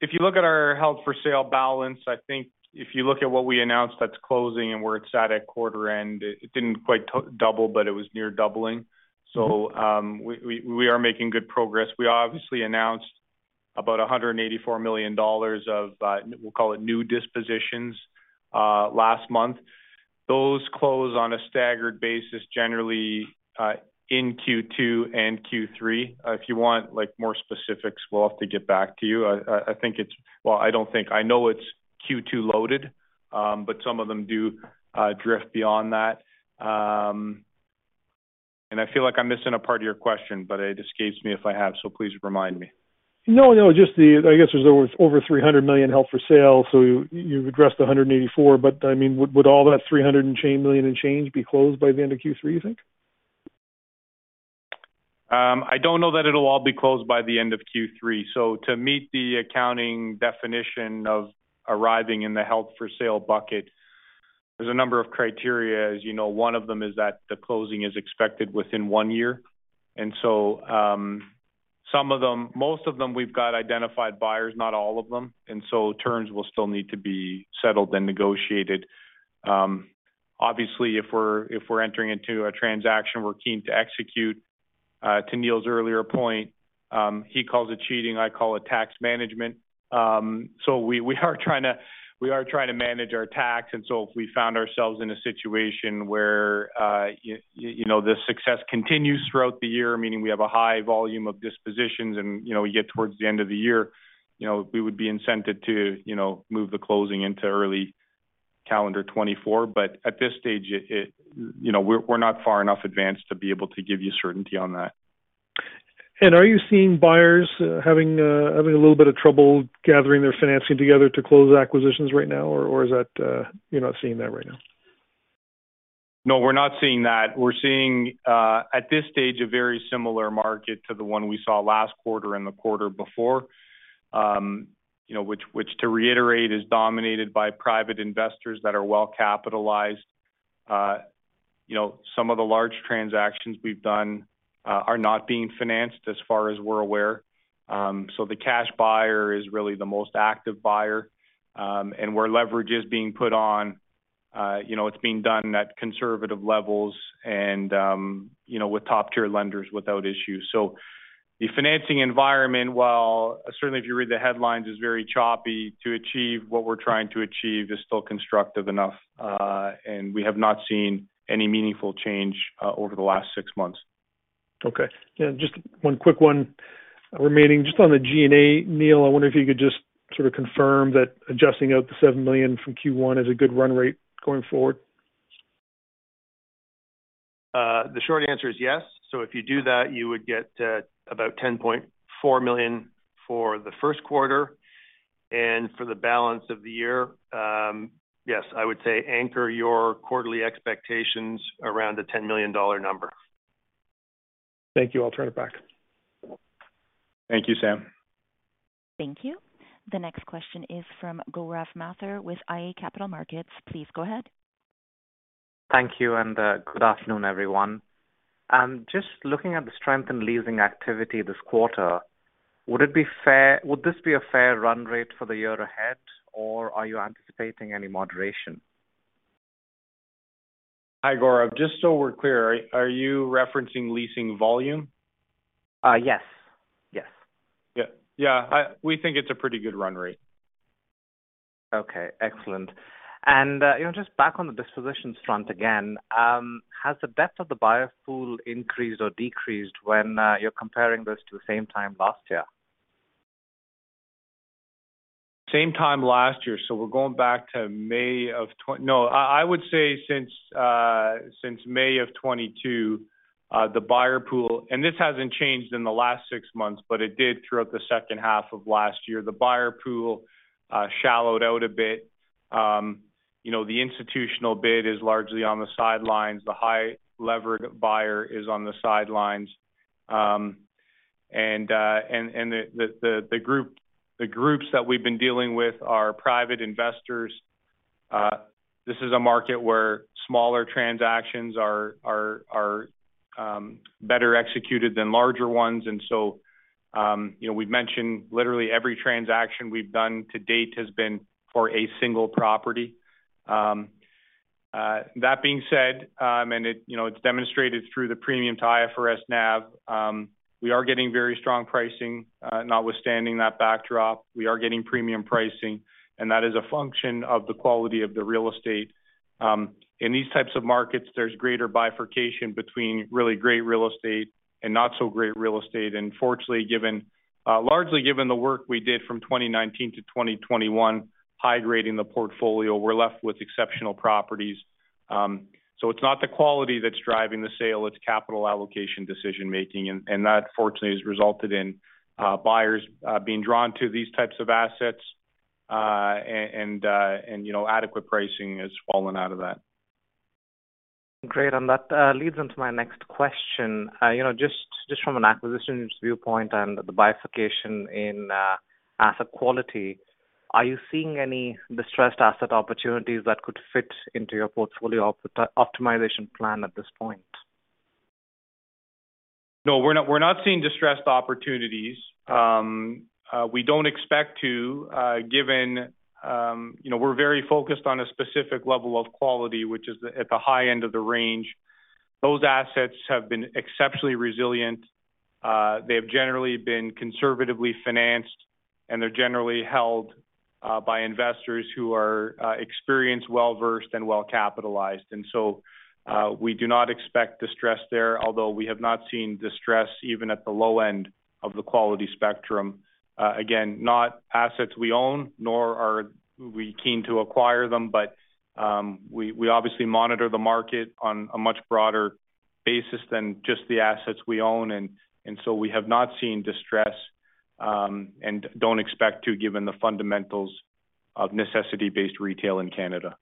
If you look at our held for sale balance, I think if you look at what we announced that's closing and where it's at at quarter end, it didn't quite double, but it was near doubling. We are making good progress. We obviously announced about $184 million of we'll call it new dispositions last month. Those close on a staggered basis, generally, in Q2 and Q3. If you want, like, more specifics, we'll have to get back to you. Well, I don't think, I know it's Q2 loaded, but some of them do drift beyond that. I feel like I'm missing a part of your question, but it escapes me if I have, so please remind me. No, no, just I guess there's over $300 million held for sale, you've addressed $184, I mean, would all that $300 million and change in change be closed by the end of Q3, you think? I don't know that it'll all be closed by the end of Q3. To meet the accounting definition of arriving in the held for sale bucket, there's a number of criteria. As you know, one of them is that the closing is expected within one year. Some of them. Most of them we've got identified buyers, not all of them, and so terms will still need to be settled and negotiated. Obviously, if we're entering into a transaction, we're keen to execute, to Neil's earlier point, he calls it cheating, I call it tax management. We are trying to manage our tax. If we found ourselves in a situation where, you know, the success continues throughout the year, meaning we have a high volume of dispositions and, you know, we get towards the end of the year, you know, we would be incented to, you know, move the closing into early calendar 2024. At this stage, it, you know, we're not far enough advanced to be able to give you certainty on that. Are you seeing buyers having a little bit of trouble gathering their financing together to close acquisitions right now? Or is that you're not seeing that right now? No, we're not seeing that. We're seeing, at this stage, a very similar market to the one we saw last quarter and the quarter before. You know, which to reiterate, is dominated by private investors that are well-capitalized. You know, some of the large transactions we've done, are not being financed as far as we're aware. The cash buyer is really the most active buyer. Where leverage is being put on, you know, it's being done at conservative levels and, you know, with top-tier lenders without issue. The financing environment, while certainly if you read the headlines, is very choppy to achieve what we're trying to achieve, is still constructive enough, and we have not seen any meaningful change, over the last six months. Okay. Yeah, just one quick one remaining. Just on the G&A, Neil, I wonder if you could just sort of confirm that adjusting out the $7 million from Q1 is a good run rate going forward. The short answer is yes. If you do that, you would get about $10.4 million for the first quarter. For the balance of the year, yes, I would say anchor your quarterly expectations around the $10 million. Thank you. I'll turn it back. Thank you, Sam. Thank you. The next question is from Gaurav Mathur with iA Capital Markets. Please go ahead. Thank you. Good afternoon, everyone. Just looking at the strength in leasing activity this quarter, would this be a fair run rate for the year ahead, or are you anticipating any moderation? Hi, Gaurav. Just so we're clear, are you referencing leasing volume? Yes. Yes. Yeah. Yeah. We think it's a pretty good run rate. Okay, excellent. You know, just back on the dispositions front again, has the depth of the buyer pool increased or decreased when you're comparing this to same time last year? Same time last year. I would say since May of 2022, the buyer pool, this hasn't changed in the last six months, but it did throughout the second half of last year. The buyer pool shallowed out a bit. You know, the institutional bid is largely on the sidelines. The high levered buyer is on the sidelines. The groups that we've been dealing with are private investors. This is a market where smaller transactions are better executed than larger ones. You know, we've mentioned literally every transaction we've done to date has been for a single property. That being said, you know, it's demonstrated through the premium to IFRS NAV, we are getting very strong pricing. Notwithstanding that backdrop, we are getting premium pricing, and that is a function of the quality of the real estate. In these types of markets, there's greater bifurcation between really great real estate and not so great real estate. Fortunately, largely given the work we did from 2019 to 2021, high grading the portfolio, we're left with exceptional properties. It's not the quality that's driving the sale, it's capital allocation decision-making. That fortunately has resulted in buyers being drawn to these types of assets. You know, adequate pricing has fallen out of that. Great. That leads into my next question. You know, just from an acquisitions viewpoint and the bifurcation in asset quality, are you seeing any distressed asset opportunities that could fit into your portfolio optimization plan at this point? No, we're not seeing distressed opportunities. We don't expect to, given, you know, we're very focused on a specific level of quality, which is at the high end of the range. Those assets have been exceptionally resilient, they have generally been conservatively financed, and they're generally held by investors who are experienced, well-versed and well-capitalized. We do not expect distress there, although we have not seen distress even at the low end of the quality spectrum. Again, not assets we own, nor are we keen to acquire them, but we obviously monitor the market on a much broader basis than just the assets we own. We have not seen distress and don't expect to given the fundamentals of necessity-based retail in Canada.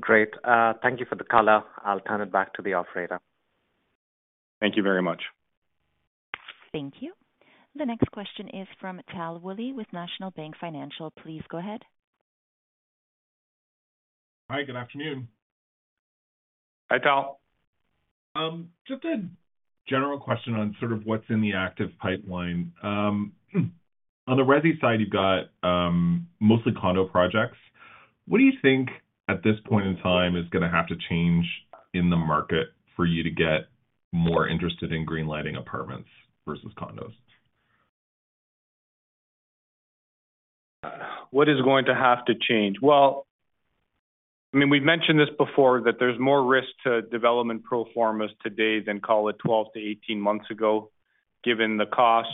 Great. Thank you for the color. I'll turn it back to the operator. Thank you very much. Thank you. The next question is from Tal Woolley with National Bank Financial. Please go ahead. Hi, good afternoon. Hi, Tal. Just a general question on sort of what's in the active pipeline. On the resi side, you've got mostly condo projects. What do you think at this point in time is gonna have to change in the market for you to get more interested in greenlighting apartments versus condos? What is going to have to change? Well, I mean, we've mentioned this before, that there's more risk to development pro formas today than call it 12-18 months ago, given the cost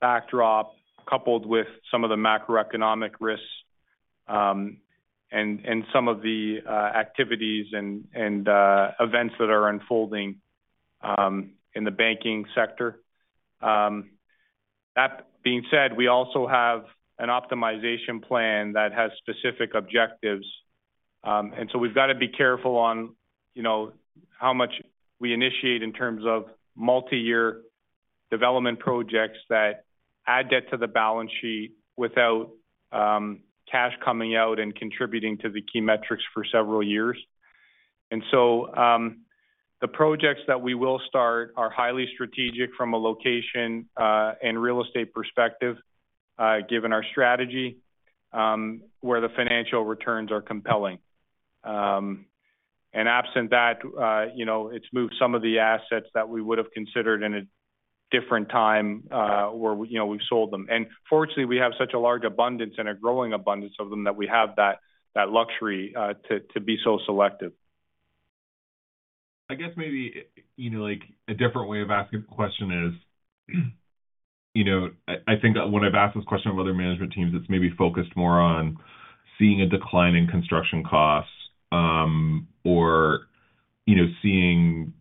backdrop, coupled with some of the macroeconomic risks, and some of the activities and events that are unfolding in the banking sector. That being said, we also have an optimization plan that has specific objectives. We've got to be careful on, you know, how much we initiate in terms of multi-year development projects that add debt to the balance sheet without cash coming out and contributing to the key metrics for several years. The projects that we will start are highly strategic from a location and real estate perspective, given our strategy, where the financial returns are compelling. Absent that, you know, it's moved some of the assets that we would have considered in a different time, where, you know, we've sold them. Fortunately, we have such a large abundance and a growing abundance of them that we have that luxury to be so selective. I guess maybe, you know, like a different way of asking the question is, you know, I think when I've asked this question of other management teams, it's maybe focused more on seeing a decline in construction costs, or, you know, seeing,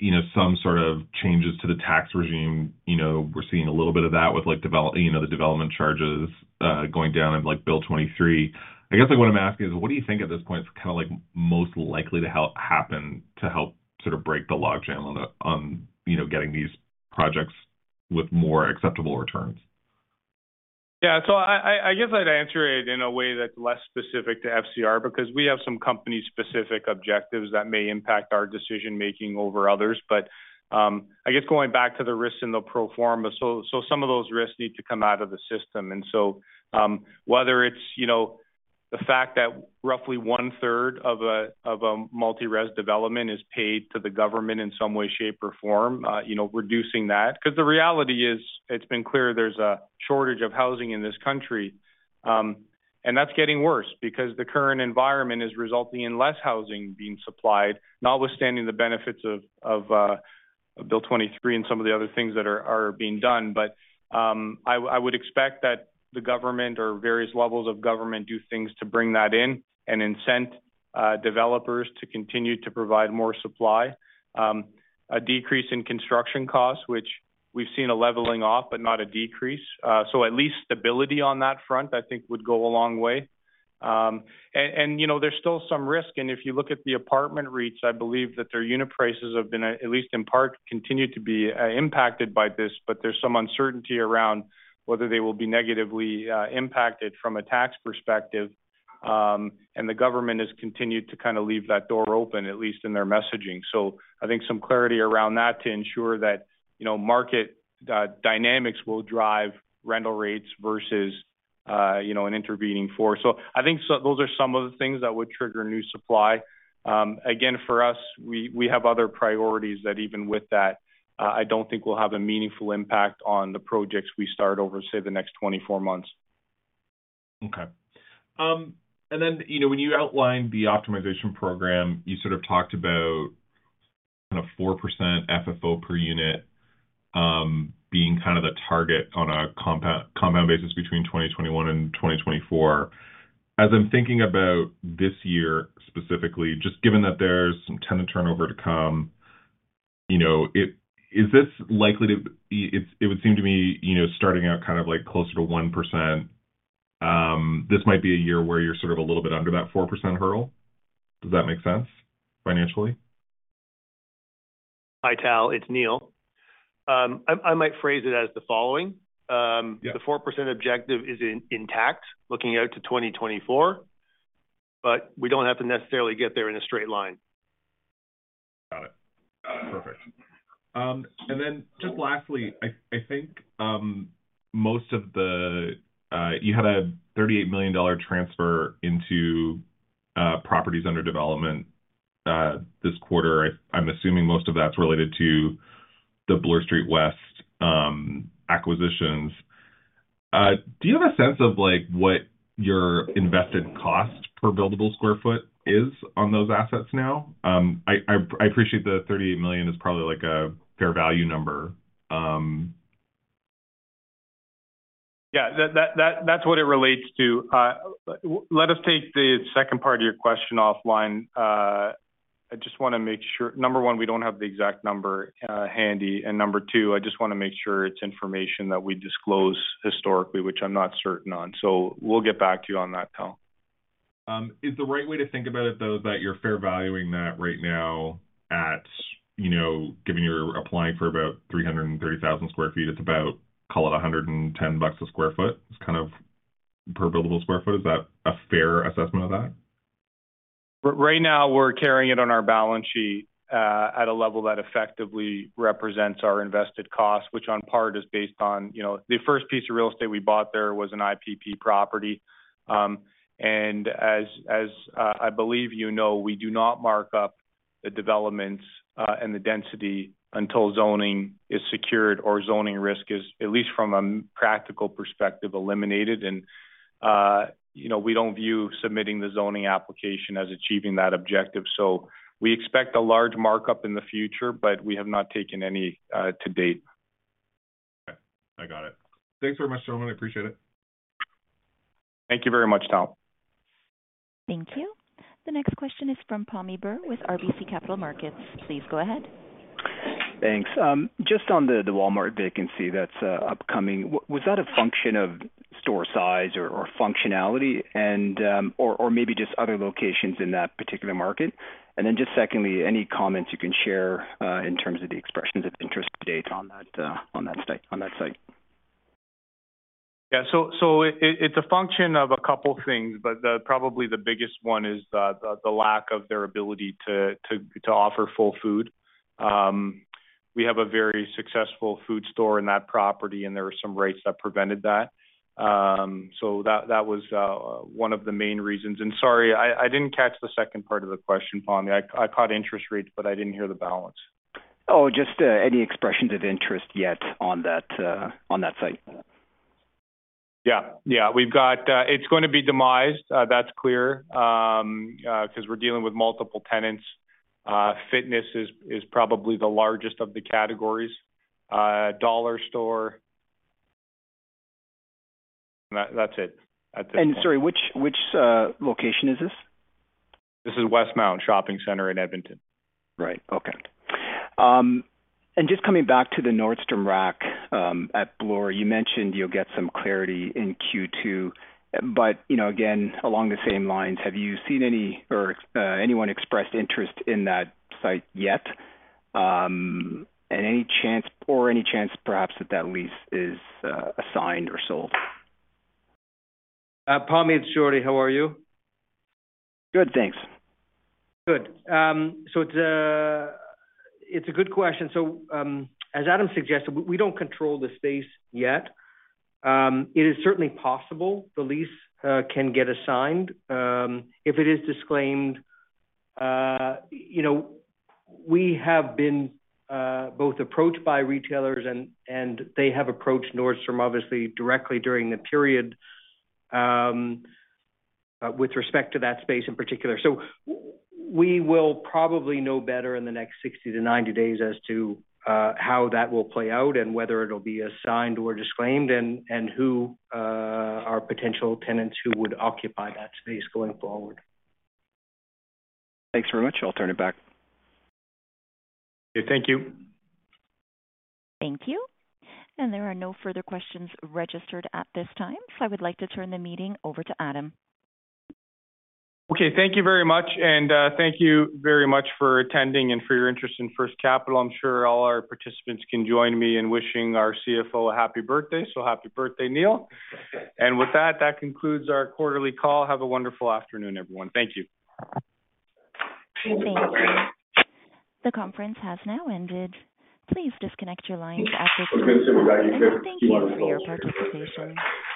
you know, some sort of changes to the tax regime. You know, we're seeing a little bit of that with like you know, the development charges going down in like Bill 23. I guess what I'm asking is, what do you think at this point is kind of like most likely to happen to help sort of break the logjam on, you know, getting these projects with more acceptable returns? Yeah. I guess I'd answer it in a way that's less specific to FCR because we have some company-specific objectives that may impact our decision-making over others. I guess going back to the risks in the pro forma. Some of those risks need to come out of the system. Whether it's, you know, the fact that roughly one-third of a multi-res development is paid to the government in some way, shape, or form, you know, reducing that. Because the reality is it's been clear there's a shortage of housing in this country, and that's getting worse because the current environment is resulting in less housing being supplied, notwithstanding the benefits of Bill 23 and some of the other things that are being done. I would expect that the government or various levels of government do things to bring that in and incent developers to continue to provide more supply. A decrease in construction costs, which we've seen a leveling off but not a decrease. So at least stability on that front, I think would go a long way. And, you know, there's still some risk. If you look at the apartment REITs, I believe that their unit prices have been, at least in part, continued to be impacted by this. There's some uncertainty around whether they will be negatively impacted from a tax perspective. The government has continued to kind of leave that door open, at least in their messaging. I think some clarity around that to ensure that, you know, market dynamics will drive rental rates versus, you know, an intervening force. I think those are some of the things that would trigger new supply. Again, for us, we have other priorities that even with that, I don't think will have a meaningful impact on the projects we start over, say, the next 24 months. Okay. You know, when you outlined the optimization program, you sort of talked about kind of 4% FFO per unit, being kind of the target on a compound basis between 2021 and 2024. As I'm thinking about this year specifically, just given that there's some tenant turnover to come, you know, is this likely to It would seem to me, you know, starting out kind of like closer to 1%, this might be a year where you're sort of a little bit under that 4% hurdle. Does that make sense financially? Hi, Tal, it's Neil. I might phrase it as the following. Yeah. The 4% objective is in intact looking out to 2024, but we don't have to necessarily get there in a straight line. Got it. Perfect. Then just lastly, I think most of the you had a $38 million transfer into properties under development this quarter. I'm assuming most of that's related to the Bloor Street West acquisitions. Do you have a sense of like what your invested cost per buildable square foot is on those assets now? I appreciate the $38 million is probably like a fair value number. Yeah. That's what it relates to. Let us take the second part of your question offline. I just wanna make sure, number one, we don't have the exact number handy, and number two, I just wanna make sure it's information that we disclose historically, which I'm not certain on. We'll get back to you on that, Tal. Is the right way to think about it, though, is that you're fair valuing that right now at, you know, given you're applying for about 330,000 sq ft, it's about, call it $110 a sq ft? It's kind of per buildable square foot. Is that a fair assessment of that? Right now we're carrying it on our balance sheet at a level that effectively represents our invested cost, which on part is based on, you know. The first piece of real estate we bought there was an IPP property. As I believe you know, we do not mark up the developments and the density until zoning is secured or zoning risk is, at least from a practical perspective, eliminated. We don't view submitting the zoning application as achieving that objective. We expect a large markup in the future, but we have not taken any to date. Okay. I got it. Thanks very much, gentlemen. I appreciate it. Thank you very much, Tal. Thank you. The next question is from Pammi Bir with RBC Capital Markets. Please go ahead. Thanks. Just on the Walmart vacancy that's upcoming. Was that a function of store size or functionality and or maybe just other locations in that particular market? Just secondly, any comments you can share, in terms of the expressions of interest to date on that site? It's a function of a couple things, but probably the biggest one is the lack of their ability to offer full food. We have a very successful food store in that property, and there are some rights that prevented that. That was one of the main reasons. Sorry, I didn't catch the second part of the question, Pammi. I caught interest rates, but I didn't hear the balance. Oh, just, any expressions of interest yet on that, on that site? Yeah. Yeah. We've got. It's gonna be demised, that's clear, 'cause we're dealing with multiple tenants. Fitness is probably the largest of the categories. Dollar store. That's it at this point. Sorry, which location is this? This is Westmount Shopping Centre in Edmonton. Right. Okay. Just coming back to the Nordstrom Rack, at Bloor, you mentioned you'll get some clarity in Q2. You know, again, along the same lines, have you seen any or, anyone expressed interest in that site yet? Any chance perhaps that that lease is, assigned or sold? Pammi, it's Jordy. How are you? Good, thanks. Good. So it's a good question. As Adam suggested, we don't control the space yet. It is certainly possible the lease can get assigned. If it is disclaimed, you know, we have been both approached by retailers and they have approached Nordstrom obviously directly during the period with respect to that space in particular. We will probably know better in the next 60-90 days as to how that will play out and whether it'll be assigned or disclaimed and who are potential tenants who would occupy that space going forward. Thanks very much. I'll turn it back. Okay. Thank you. Thank you. There are no further questions registered at this time. I would like to turn the meeting over to Adam. Okay, thank you very much. Thank you very much for attending and for your interest in First Capital. I'm sure all our participants can join me in wishing our CFO a happy birthday. Happy birthday, Neil. With that concludes our quarterly call. Have a wonderful afternoon, everyone. Thank you. Thank you. The conference has now ended. Please disconnect your lines.